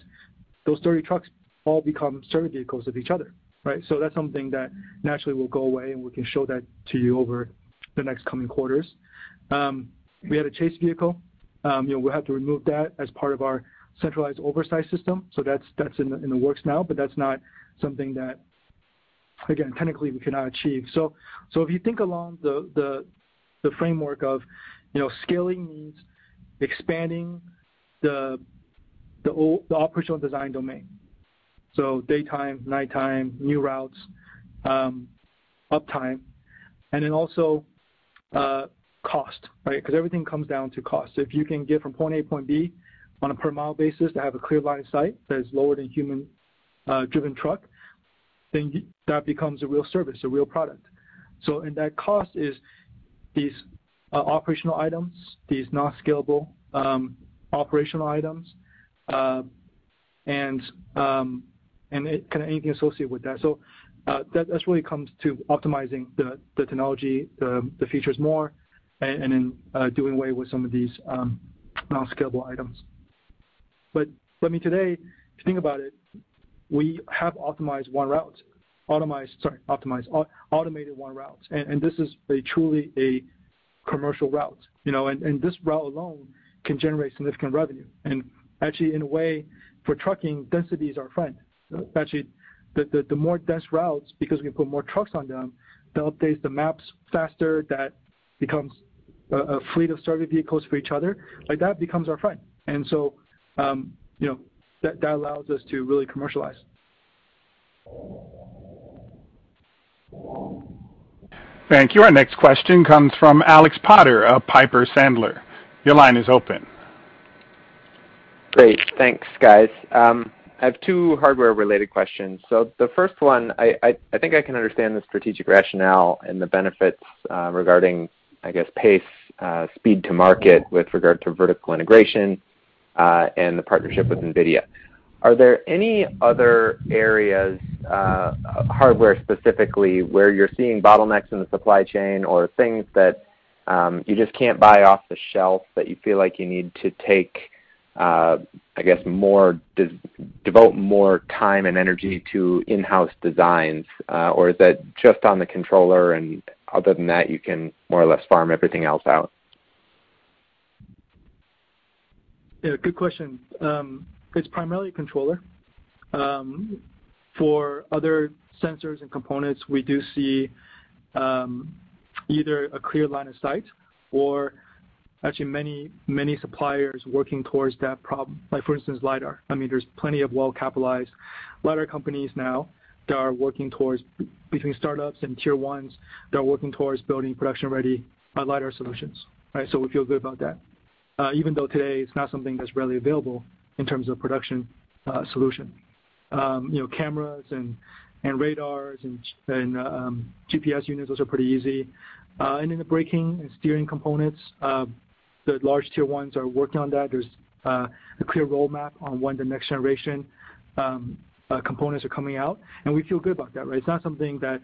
those 30 trucks all become survey vehicles of each other, right? That's something that naturally will go away, and we can show that to you over the next coming quarters. We have a chase vehicle. You know, we'll have to remove that as part of our centralized oversight system. That's in the works now, but that's not something that, again, technically we cannot achieve. If you think along the framework of, you know, scaling means expanding the operational design domain, so daytime, nighttime, new routes, uptime, and then also, cost, right? Because everything comes down to cost. If you can get from point A to point B on a per mile basis to have a clear line of sight that is lower than human driven truck, then that becomes a real service, a real product. In that cost is these operational items, these non-scalable operational items, and kind of anything associated with that. That that's really comes to optimizing the technology, the features more and then doing away with some of these non-scalable items. For me today, if you think about it, we have optimized one route, automated one route. This is truly a commercial route, you know, and this route alone can generate significant revenue. Actually in a way for trucking, density is our friend. Actually, the more dense routes, because we put more trucks on them, that updates the maps faster, that becomes a fleet of survey vehicles for each other, like that becomes our friend. You know, that allows us to really commercialize. Thank you. Our next question comes from Alex Potter of Piper Sandler. Your line is open. Great. Thanks, guys. I have two hardware-related questions. The first one, I think I can understand the strategic rationale and the benefits, regarding, I guess, pace, speed to market with regard to vertical integration, and the partnership with NVIDIA. Are there any other areas, hardware specifically, where you're seeing bottlenecks in the supply chain or things that, you just can't buy off the shelf that you feel like you need to take, I guess, more devote more time and energy to in-house designs? Is that just on the controller, and other than that, you can more or less farm everything else out? Yeah, good question. It's primarily controller. For other sensors and components, we do see either a clear line of sight or actually many, many suppliers working towards that problem. Like for instance, LiDAR. I mean, there's plenty of well-capitalized LiDAR companies now that are working towards between startups and tier ones that are working towards building production-ready LiDAR solutions, right? So, we feel good about that. Even though today it's not something that's readily available in terms of production solution. You know, cameras and radars and GPS units, those are pretty easy. Then the braking and steering components, the large tier ones are working on that. There's a clear roadmap on when the next generation components are coming out, and we feel good about that, right. It's not something that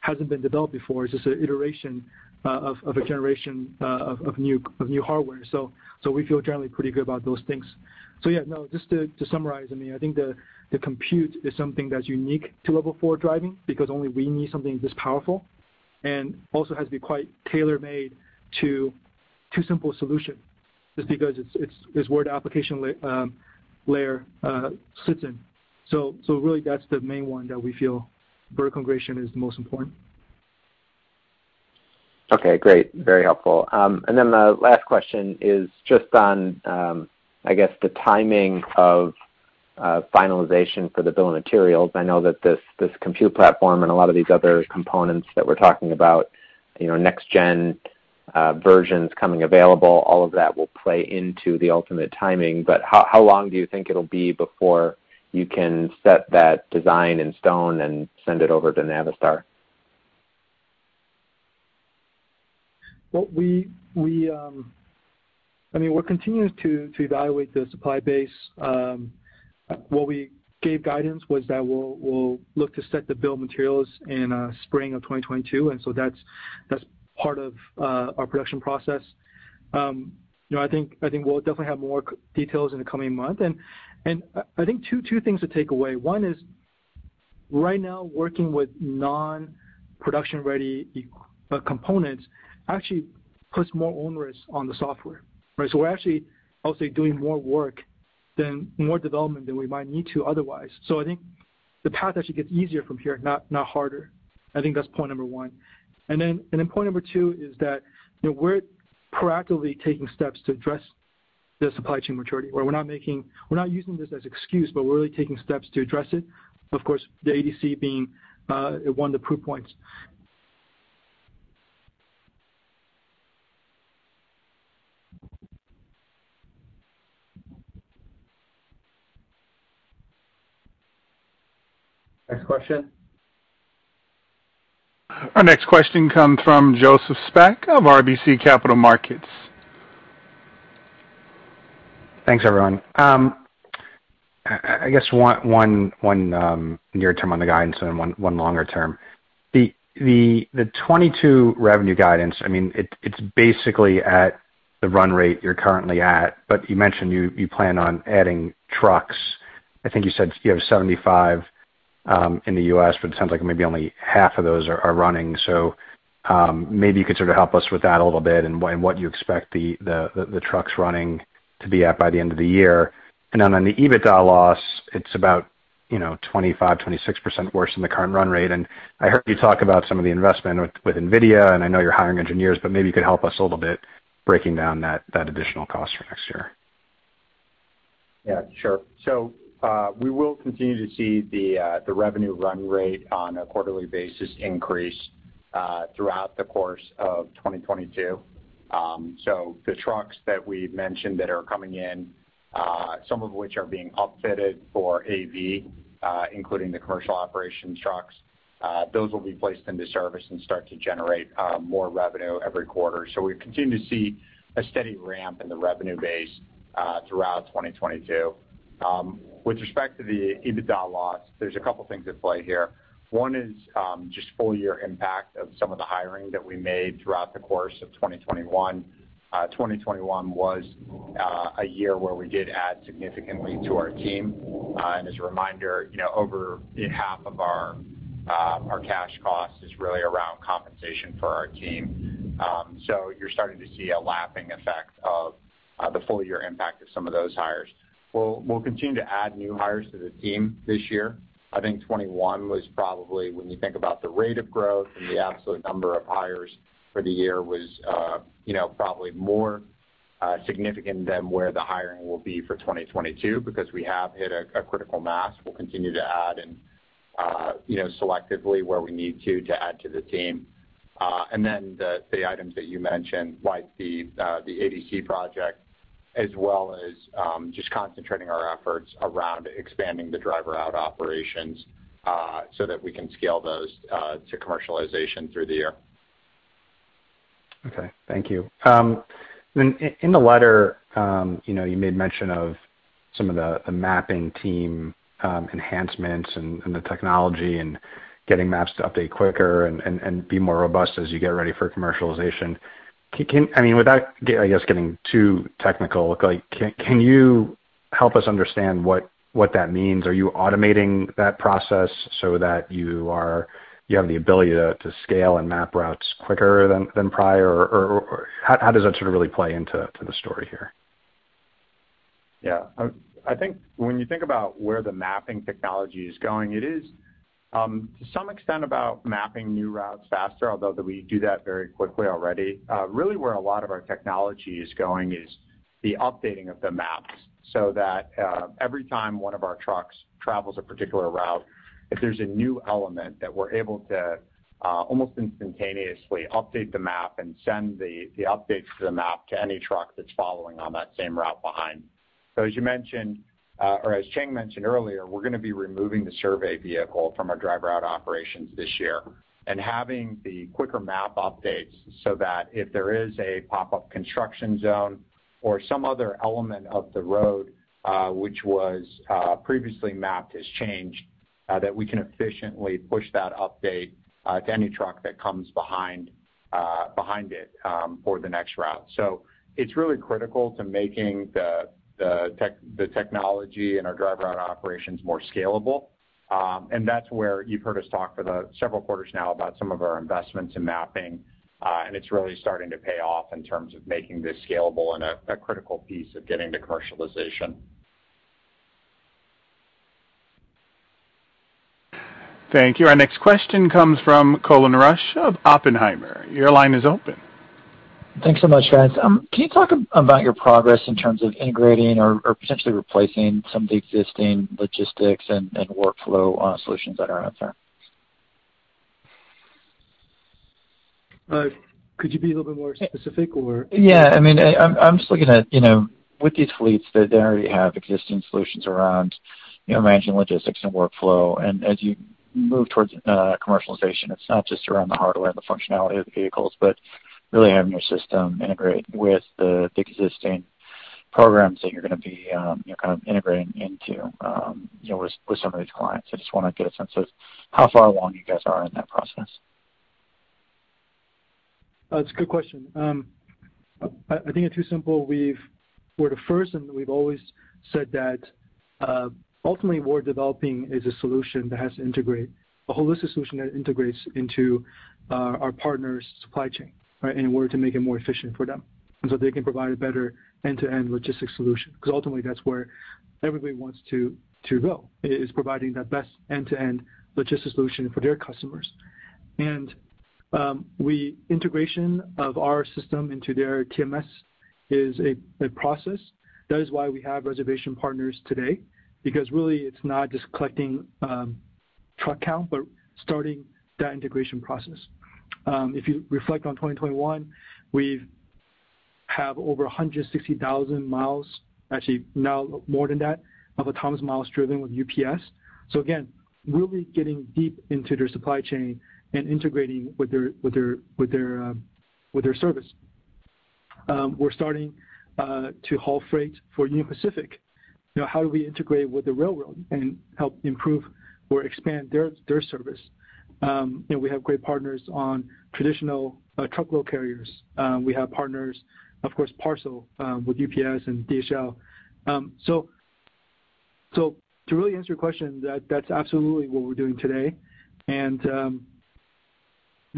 hasn't been developed before. It's just an iteration of a generation of new hardware. We feel generally pretty good about those things. Yeah, no, just to summarize, I mean, I think the compute is something that's unique to Level 4 driving because only we need something this powerful and also has to be quite tailor-made to TuSimple solution just because it's where the application layer sits in. Really that's the main one that we feel vertical integration is the most important. Okay, great. Very helpful. Then the last question is just on, I guess the timing of finalization for the bill of materials. I know that this compute platform and a lot of these other components that we're talking about, you know, next gen versions coming available, all of that will play into the ultimate timing. How long do you think it'll be before you can set that design in stone and send it over to Navistar? I mean, we're continuing to evaluate the supply base. What we gave guidance was that we'll look to set the bill of materials in spring of 2022, and so that's part of our production process. You know, I think we'll definitely have more details in the coming month. I think two things to take away. One is right now working with non-production-ready components actually puts more onus on the software, right? We're actually, I'll say, doing more work, more development than we might need to otherwise. I think the path actually gets easier from here, not harder. I think that's point number one. Point number two is that, you know, we're proactively taking steps to address the supply chain maturity. We're not using this as excuse, but we're really taking steps to address it. Of course, the ADC being one of the proof points. Next question. Our next question comes from Joseph Spak of RBC Capital Markets. Thanks, everyone. I guess one near-term on the guidance and one longer term. The 2022 revenue guidance, I mean, it's basically at the run rate you're currently at, but you mentioned you plan on adding trucks. I think you said you have 75 in the U.S., but it sounds like maybe only half of those are running. Maybe you could sort of help us with that a little bit and what you expect the trucks running to be at by the end of the year. Then on the EBITDA loss, it's about, you know, 25%-26% worse than the current run rate. I heard you talk about some of the investment with NVIDIA, and I know you're hiring engineers, but maybe you could help us a little bit breaking down that additional cost for next year? Yeah, sure. We will continue to see the revenue run rate on a quarterly basis increase throughout the course of 2022. The trucks that we've mentioned that are coming in, some of which are being upfitted for AV, including the commercial operations trucks, those will be placed into service and start to generate more revenue every quarter. We continue to see a steady ramp in the revenue base throughout 2022. With respect to the EBITDA loss, there's a couple things at play here. One is just full year impact of some of the hiring that we made throughout the course of 2021. 2021 was a year where we did add significantly to our team. As a reminder, you know, over half of our cash costs is really around compensation for our team. So you're starting to see a lapping effect of the full year impact of some of those hires. We'll continue to add new hires to the team this year. I think 2021 was probably, when you think about the rate of growth and the absolute number of hires for the year was, you know, probably more significant than where the hiring will be for 2022 because we have hit a critical mass. We'll continue to add and you know, selectively where we need to add to the team. The items that you mentioned, like the ADC project, as well as just concentrating our efforts around expanding the Driver Out operations, so that we can scale those to commercialization through the year. Okay. Thank you. In the letter, you know, you made mention of some of the mapping team enhancements and the technology and getting maps to update quicker and be more robust as you get ready for commercialization. I mean, without, I guess, getting too technical, like can you help us understand what that means? Are you automating that process so that you have the ability to scale and map routes quicker than prior? Or how does that sort of really play into the story here? Yeah. I think when you think about where the mapping technology is going, it is to some extent about mapping new routes faster, although that we do that very quickly already. Really, where a lot of our technology is going is the updating of the maps so that every time one of our trucks travels a particular route, if there's a new element that we're able to almost instantaneously update the map and send the updates to the map to any truck that's following on that same route behind. As you mentioned, or as Cheng mentioned earlier, we're gonna be removing the survey vehicle from our Driver Out operations this year and having the quicker map updates so that if there is a pop-up construction zone or some other element of the road, which was previously mapped as changed, that we can efficiently push that update to any truck that comes behind it for the next route. It's really critical to making the technology and our Driver Out operations more scalable. That's where you've heard us talk for the several quarters now about some of our investments in mapping. It's really starting to pay off in terms of making this scalable and a critical piece of getting to commercialization. Thank you. Our next question comes from Colin Rusch of Oppenheimer. Your line is open. Thanks so much, guys. Can you talk about your progress in terms of integrating or potentially replacing some of the existing logistics and workflow solutions that are out there? Could you be a little bit more specific? Yeah. I mean, I'm just looking at, you know, with these fleets that they already have existing solutions around, you know, managing logistics and workflow. As you move towards commercialization, it's not just around the hardware and the functionality of the vehicles, but really having your system integrate with the existing programs that you're gonna be, you know, kind of integrating into, you know, with some of these clients. I just wanna get a sense of how far along you guys are in that process. That's a good question. I think at TuSimple we're the first, and we've always said that ultimately what we're developing is a solution that has to integrate, a holistic solution that integrates into our partners' supply chain, right? In order to make it more efficient for them so they can provide a better end-to-end logistics solution. 'Cause ultimately that's where everybody wants to go, providing that best end-to-end logistics solution for their customers. Integration of our system into their TMS is a process. That is why we have reservation partners today, because really it's not just collecting truck count, but starting that integration process. If you reflect on 2021, we have over 160,000 miles, actually now more than that, of autonomous miles driven with UPS. Again, really getting deep into their supply chain and integrating with their service. We're starting to haul freight for Union Pacific. You know, how do we integrate with the railroad and help improve or expand their service? You know, we have great partners on traditional truckload carriers. We have partners, of course, parcel with UPS and DHL. To really answer your question, that's absolutely what we're doing today. You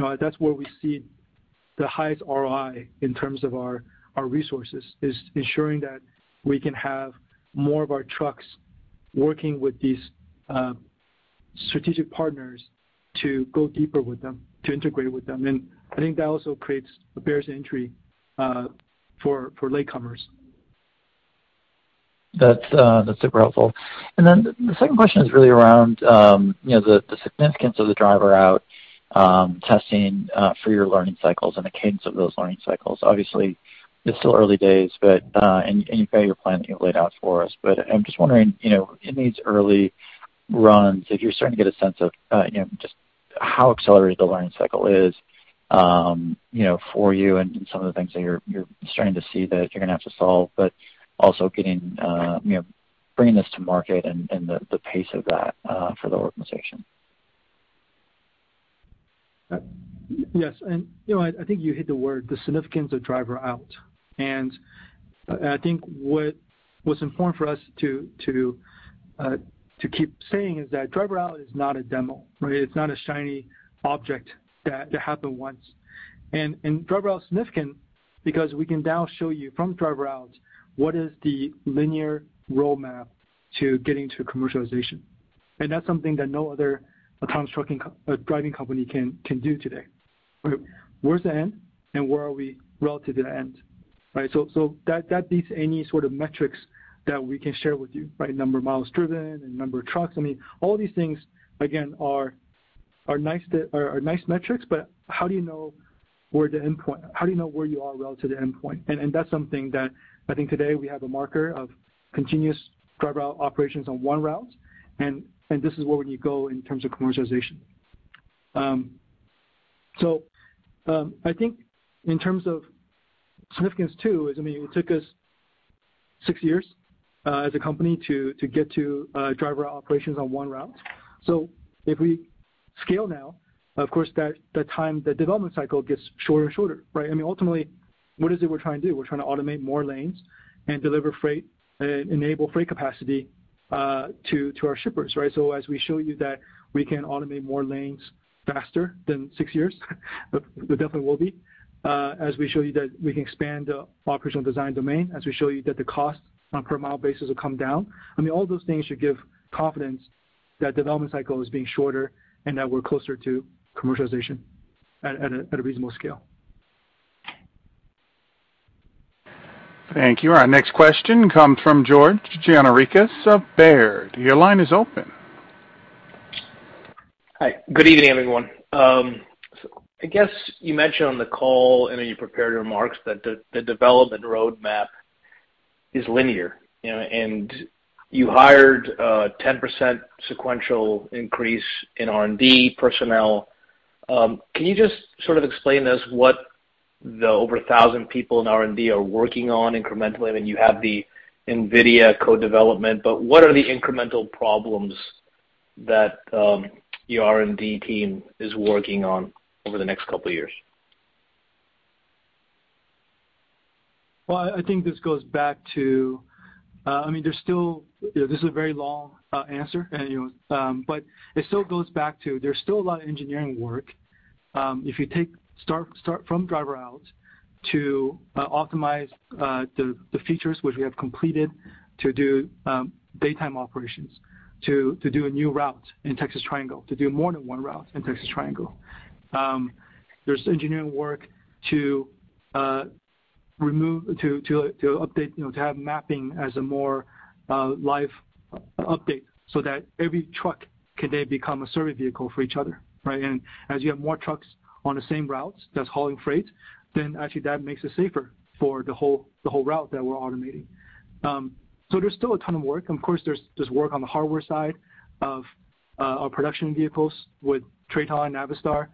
know, that's where we see the highest ROI in terms of our resources, is ensuring that we can have more of our trucks working with these strategic partners to go deeper with them, to integrate with them. I think that also creates a barrier to entry for latecomers. That's super helpful. Then the second question is really around you know the significance of the Driver Out testing for your learning cycles and the cadence of those learning cycles. Obviously it's still early days but you've got your plan that you've laid out for us. But I'm just wondering you know in these early runs if you're starting to get a sense of you know just how accelerated the learning cycle is you know for you and some of the things that you're starting to see that you're gonna have to solve but also getting you know bringing this to market and the pace of that for the organization. Yes. You know, I think you hit on the significance of Driver Out. I think what's important for us to keep saying is that Driver Out is not a demo, right? It's not a shiny object that happened once. Driver Out is significant because we can now show you from Driver Out what is the linear roadmap to getting to commercialization. That's something that no other autonomous trucking driving company can do today. Where's the end and where are we relative to the end, right? That beats any sort of metrics that we can share with you, right? Number of miles driven and number of trucks. I mean, all these things again are nice metrics, but how do you know where the endpoint, how do you know where you are relative to the endpoint? That's something that I think today we have a marker of continuous driver operations on one route, and this is where we need to go in terms of commercialization. I think in terms of significance too is, I mean, it took us six years as a company to get to driver operations on one route. If we scale now, of course, that the time, the development cycle gets shorter and shorter, right? I mean, ultimately, what is it we're trying to do? We're trying to automate more lanes and deliver freight and enable freight capacity to our shippers, right? As we show you that we can automate more lanes faster than six years, there definitely will be. As we show you that we can expand the operational design domain, as we show you that the cost on a per mile basis will come down. I mean, all those things should give confidence that development cycle is being shorter and that we're closer to commercialization at a reasonable scale. Thank you. Our next question comes from George Gianarikas of Baird. Your line is open. Hi. Good evening, everyone. I guess you mentioned on the call, I know you prepared remarks that the development roadmap is linear, you know, and you hired a 10% sequential increase in R&D personnel. Can you just sort of explain this, what the over 1,000 people in R&D are working on incrementally? I mean, you have the NVIDIA co-development, but what are the incremental problems that your R&D team is working on over the next couple of years? Well, I think this goes back to, I mean, this is a very long answer, anyways, but it still goes back to there's still a lot of engineering work. If you start from Driver Out to optimize the features which we have completed to do daytime operations to do a new route in Texas Triangle, to do more than one route in Texas Triangle. There's engineering work to remove, to update, you know, to have mapping as a more live update so that every truck can then become a survey vehicle for each other, right? As you have more trucks on the same routes that's hauling freight, then actually that makes it safer for the whole route that we're automating. There's still a ton of work. Of course, there's work on the hardware side of our production vehicles with TRATON and Navistar.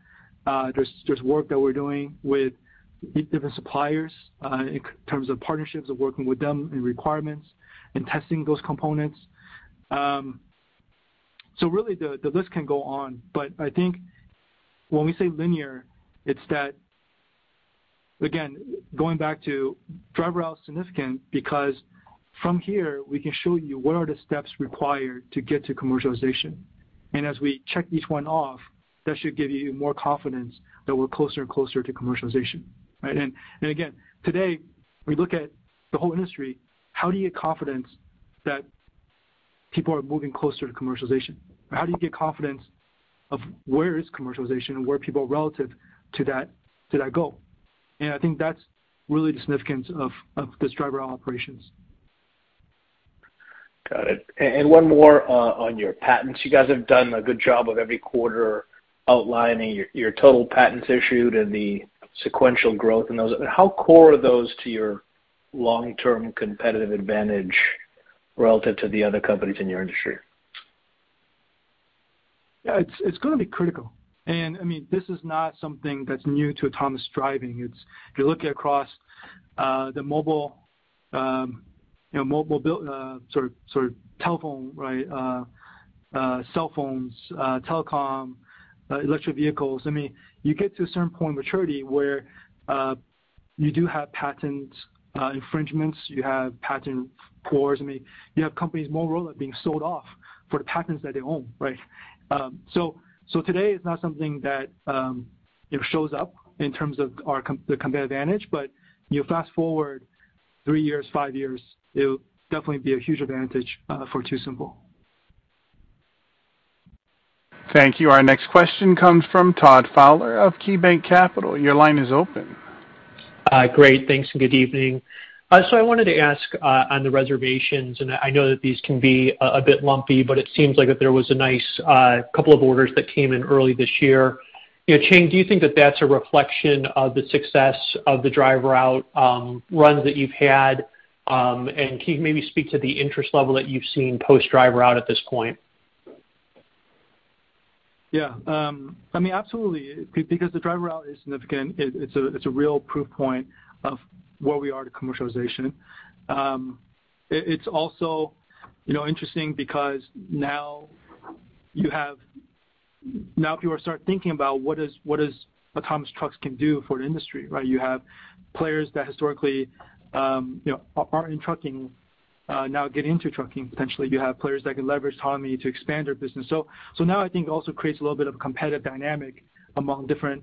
There's work that we're doing with different suppliers in terms of partnerships of working with them in requirements and testing those components. So really the list can go on. But I think when we say linear, it's that, again, going back to Driver-Out is significant because from here we can show you what are the steps required to get to commercialization. As we check each one off, that should give you more confidence that we're closer and closer to commercialization, right? Again, today, we look at the whole industry, how do you get confidence that people are moving closer to commercialization? How do you get confidence of where is commercialization and where people are relative to that goal? I think that's really the significance of this driver operations. Got it. One more, on your patents. You guys have done a good job of every quarter outlining your total patents issued and the sequential growth in those. How core are those to your long-term competitive advantage relative to the other companies in your industry? Yeah, it's gonna be critical. I mean, this is not something that's new to autonomous driving. It's if you look across the mobile, you know, mobile sort of telephone, right, cell phones, telecom, electric vehicles. I mean, you get to a certain point of maturity where you do have patent infringements. You have patent wars. I mean, you have companies more likely to be sold off for the patents that they own, right? So today, it's not something that shows up in terms of the competitive advantage. You fast-forward three years, five years, it'll definitely be a huge advantage for TuSimple. Thank you. Our next question comes from Todd Fowler of KeyBanc Capital. Your line is open. Hi. Great. Thanks and good evening. I wanted to ask on the reservations, and I know that these can be a bit lumpy, but it seems like that there was a nice couple of orders that came in early this year. You know, Cheng, do you think that that's a reflection of the success of the Driver Out runs that you've had? And can you maybe speak to the interest level that you've seen post Driver Out at this point? Yeah. I mean, absolutely, because the Driver-Out route is significant. It's a real proof point of where we are to commercialization. It's also, you know, interesting because now people are starting to think about what autonomous trucks can do for the industry, right? You have players that historically, you know, aren't in trucking, now getting into trucking. Potentially, you have players that can leverage autonomy to expand their business. So now I think also creates a little bit of competitive dynamic among different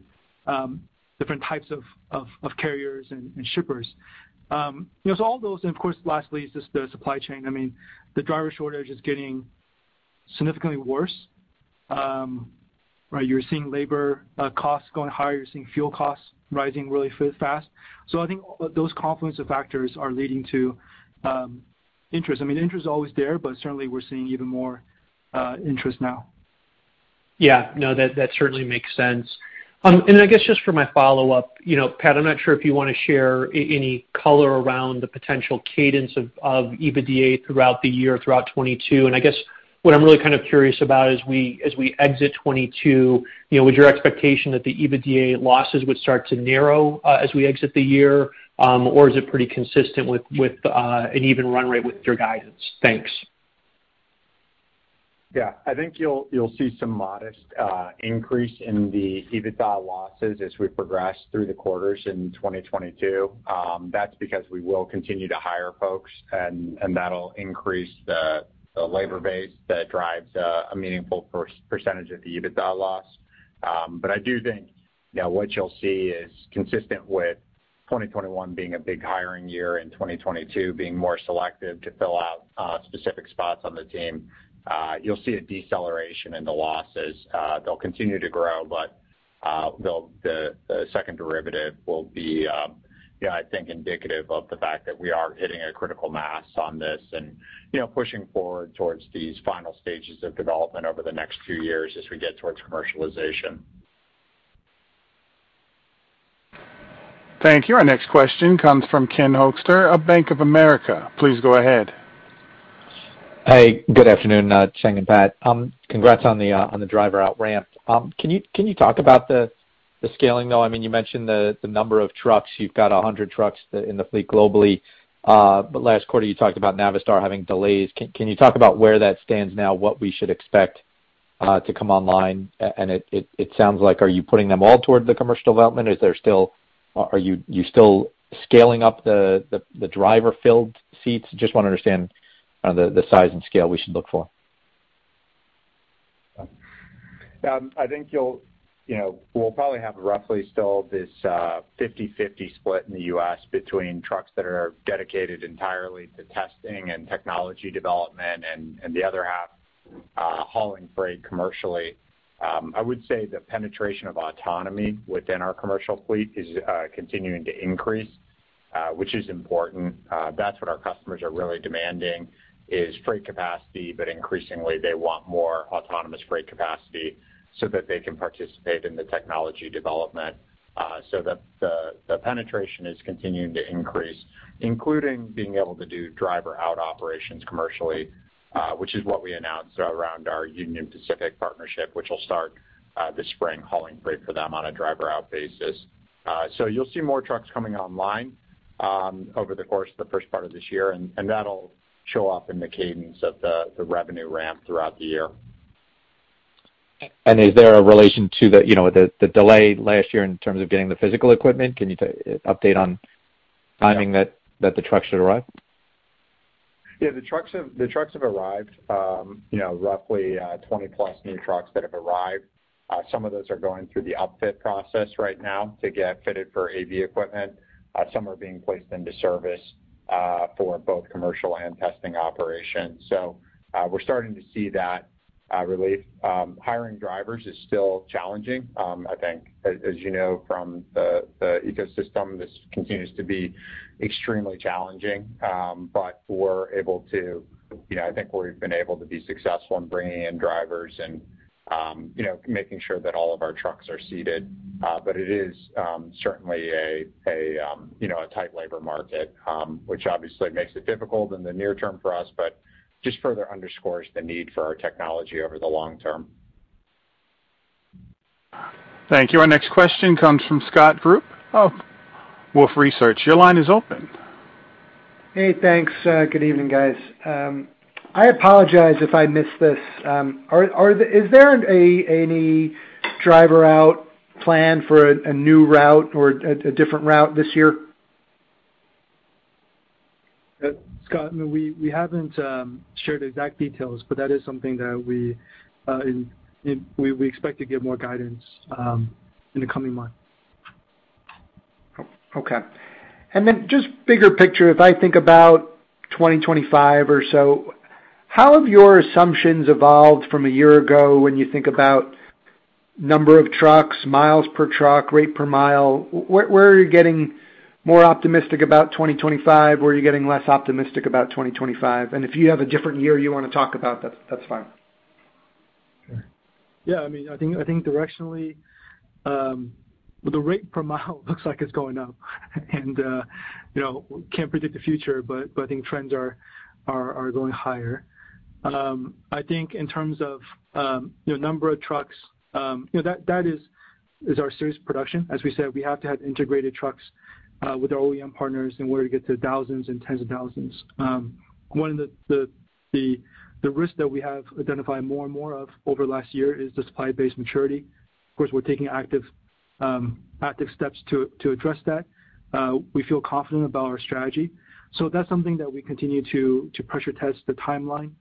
types of carriers and shippers. You know, all those and of course, lastly is just the supply chain. I mean, the driver shortage is getting Significantly worse. Right, you're seeing labor costs going higher. You're seeing fuel costs rising really fast. I think all of those confluence of factors are leading to interest. I mean, interest is always there, but certainly we're seeing even more interest now. Yeah. No, that certainly makes sense. I guess just for my follow-up, you know, Pat, I'm not sure if you wanna share any color around the potential cadence of EBITDA throughout the year, throughout 2022. I guess what I'm really kind of curious about as we exit 2022, you know, was your expectation that the EBITDA losses would start to narrow as we exit the year, or is it pretty consistent with an even run rate with your guidance? Thanks. Yeah. I think you'll see some modest increase in the EBITDA losses as we progress through the quarters in 2022. That's because we will continue to hire folks and that'll increase the labor base that drives a meaningful percentage of the EBITDA loss. I do think, you know, what you'll see is consistent with 2021 being a big hiring year and 2022 being more selective to fill out specific spots on the team. You'll see a deceleration in the losses. They'll continue to grow, but they'll, the second derivative will be, you know, I think, indicative of the fact that we are hitting a critical mass on this and, you know, pushing forward towards these final stages of development over the next two years as we get towards commercialization. Thank you. Our next question comes from Ken Hoexter of Bank of America. Please go ahead. Hey, good afternoon, Cheng and Pat. Congrats on the Driver Out ramp. Can you talk about the scaling, though? I mean, you mentioned the number of trucks. You've got 100 trucks in the fleet globally. Last quarter, you talked about Navistar having delays. Can you talk about where that stands now, what we should expect to come online? It sounds like, are you putting them all toward the commercial development? Is there still? Are you still scaling up the driver-filled seats? Just wanna understand the size and scale we should look for. I think you'll, you know, we'll probably have roughly still this 50-50 split in the U.S. between trucks that are dedicated entirely to testing and technology development and the other half hauling freight commercially. I would say the penetration of autonomy within our commercial fleet is continuing to increase, which is important. That's what our customers are really demanding is freight capacity, but increasingly they want more autonomous freight capacity so that they can participate in the technology development, so that the penetration is continuing to increase, including being able to do Driver Out operations commercially, which is what we announced around our Union Pacific partnership, which will start this spring, hauling freight for them on a Driver Out basis. You'll see more trucks coming online over the course of the first part of this year, and that'll show up in the cadence of the revenue ramp throughout the year. Is there a relation to the, you know, the delay last year in terms of getting the physical equipment? Can you update on timing that the trucks should arrive? Yeah. The trucks have arrived. You know, roughly, 20+ new trucks that have arrived. Some of those are going through the upfit process right now to get fitted for AV equipment. Some are being placed into service for both commercial and testing operations. We're starting to see that relief. Hiring drivers is still challenging, I think. As you know from the ecosystem, this continues to be extremely challenging. We're able to, you know, I think we've been able to be successful in bringing in drivers and, you know, making sure that all of our trucks are seated. It is certainly a tight labor market, which obviously makes it difficult in the near term for us but just further underscores the need for our technology over the long term. Thank you. Our next question comes from Scott Group of Wolfe Research. Your line is open. Hey, thanks. Good evening, guys. I apologize if I missed this. Is there any Driver Out plan for a new route or a different route this year? Scott, no, we haven't shared exact details, but that is something that we expect to give more guidance in the coming months. Okay. Just bigger picture, if I think about 2025 or so, how have your assumptions evolved from a year ago when you think about number of trucks, miles per truck, rate per mile? Where are you getting more optimistic about 2025? Where are you getting less optimistic about 2025? If you have a different year you wanna talk about, that's fine. Yeah. I mean, I think directionally, the rate per mile looks like it's going up. You know, we can't predict the future, but I think trends are going higher. I think in terms of, you know, number of trucks, you know, that is our serious production. As we said, we have to have integrated trucks with our OEM partners in order to get to thousands and tens of thousands. One of the risks that we have identified more and more of over the last year is the supply base maturity. Of course, we're taking active steps to address that. We feel confident about our strategy. That's something that we continue to pressure test the timeline,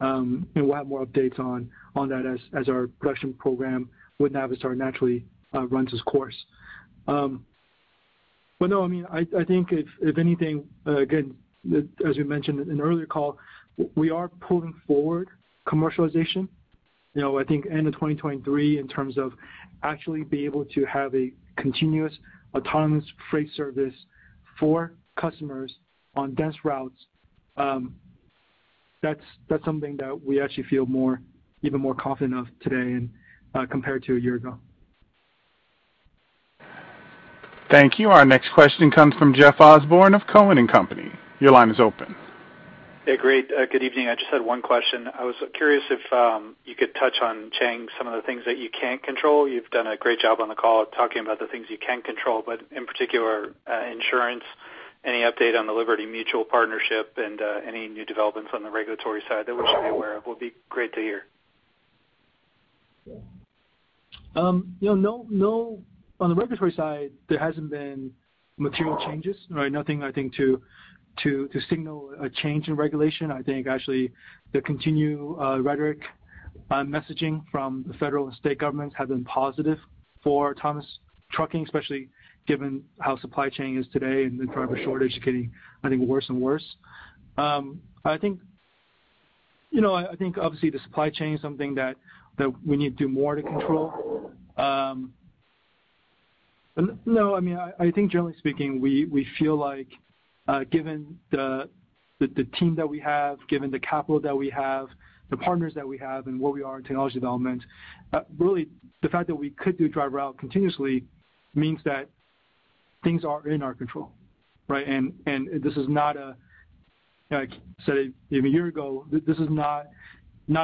and we'll have more updates on that as our production program with Navistar naturally runs its course. No, I mean, I think if anything, again, as we mentioned in an earlier call, we are pulling forward commercialization. You know, I think end of 2023 in terms of actually be able to have a continuous autonomous freight service for customers on dense routes. That's something that we actually feel even more confident of today and compared to a year ago. Thank you. Our next question comes from Jeff Osborne of Cowen and Company. Your line is open. Hey, great. Good evening. I just had one question. I was curious if you could touch on, Cheng, some of the things that you can't control. You've done a great job on the call talking about the things you can control, but in particular, insurance, any update on the Liberty Mutual partnership and any new developments on the regulatory side that we should be aware of will be great to hear. You know, no. On the regulatory side, there hasn't been material changes, right? Nothing, I think, to signal a change in regulation. I think actually the continued rhetoric messaging from the federal and state governments has been positive for autonomous trucking, especially given how supply chain is today and the driver shortage getting worse and worse. I think you know, I think obviously the supply chain is something that we need to do more to control. No, I mean, I think generally speaking, we feel like, given the team that we have, given the capital that we have, the partners that we have and where we are in technology development, really the fact that we could do Driver-Out route continuously means that things are in our control, right? This is not a. You know, like I said a year ago, this is not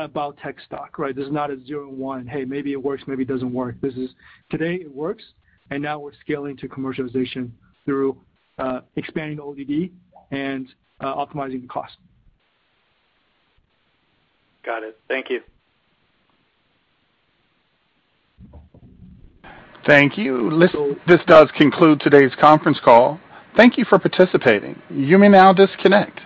about tech stock, right? This is not a zero one. Hey, maybe it works, maybe it doesn't work. This is today it works, and now we're scaling to commercialization through expanding the ODD and optimizing the cost. Got it. Thank you. Thank you. This does conclude today's conference call. Thank you for participating. You may now disconnect.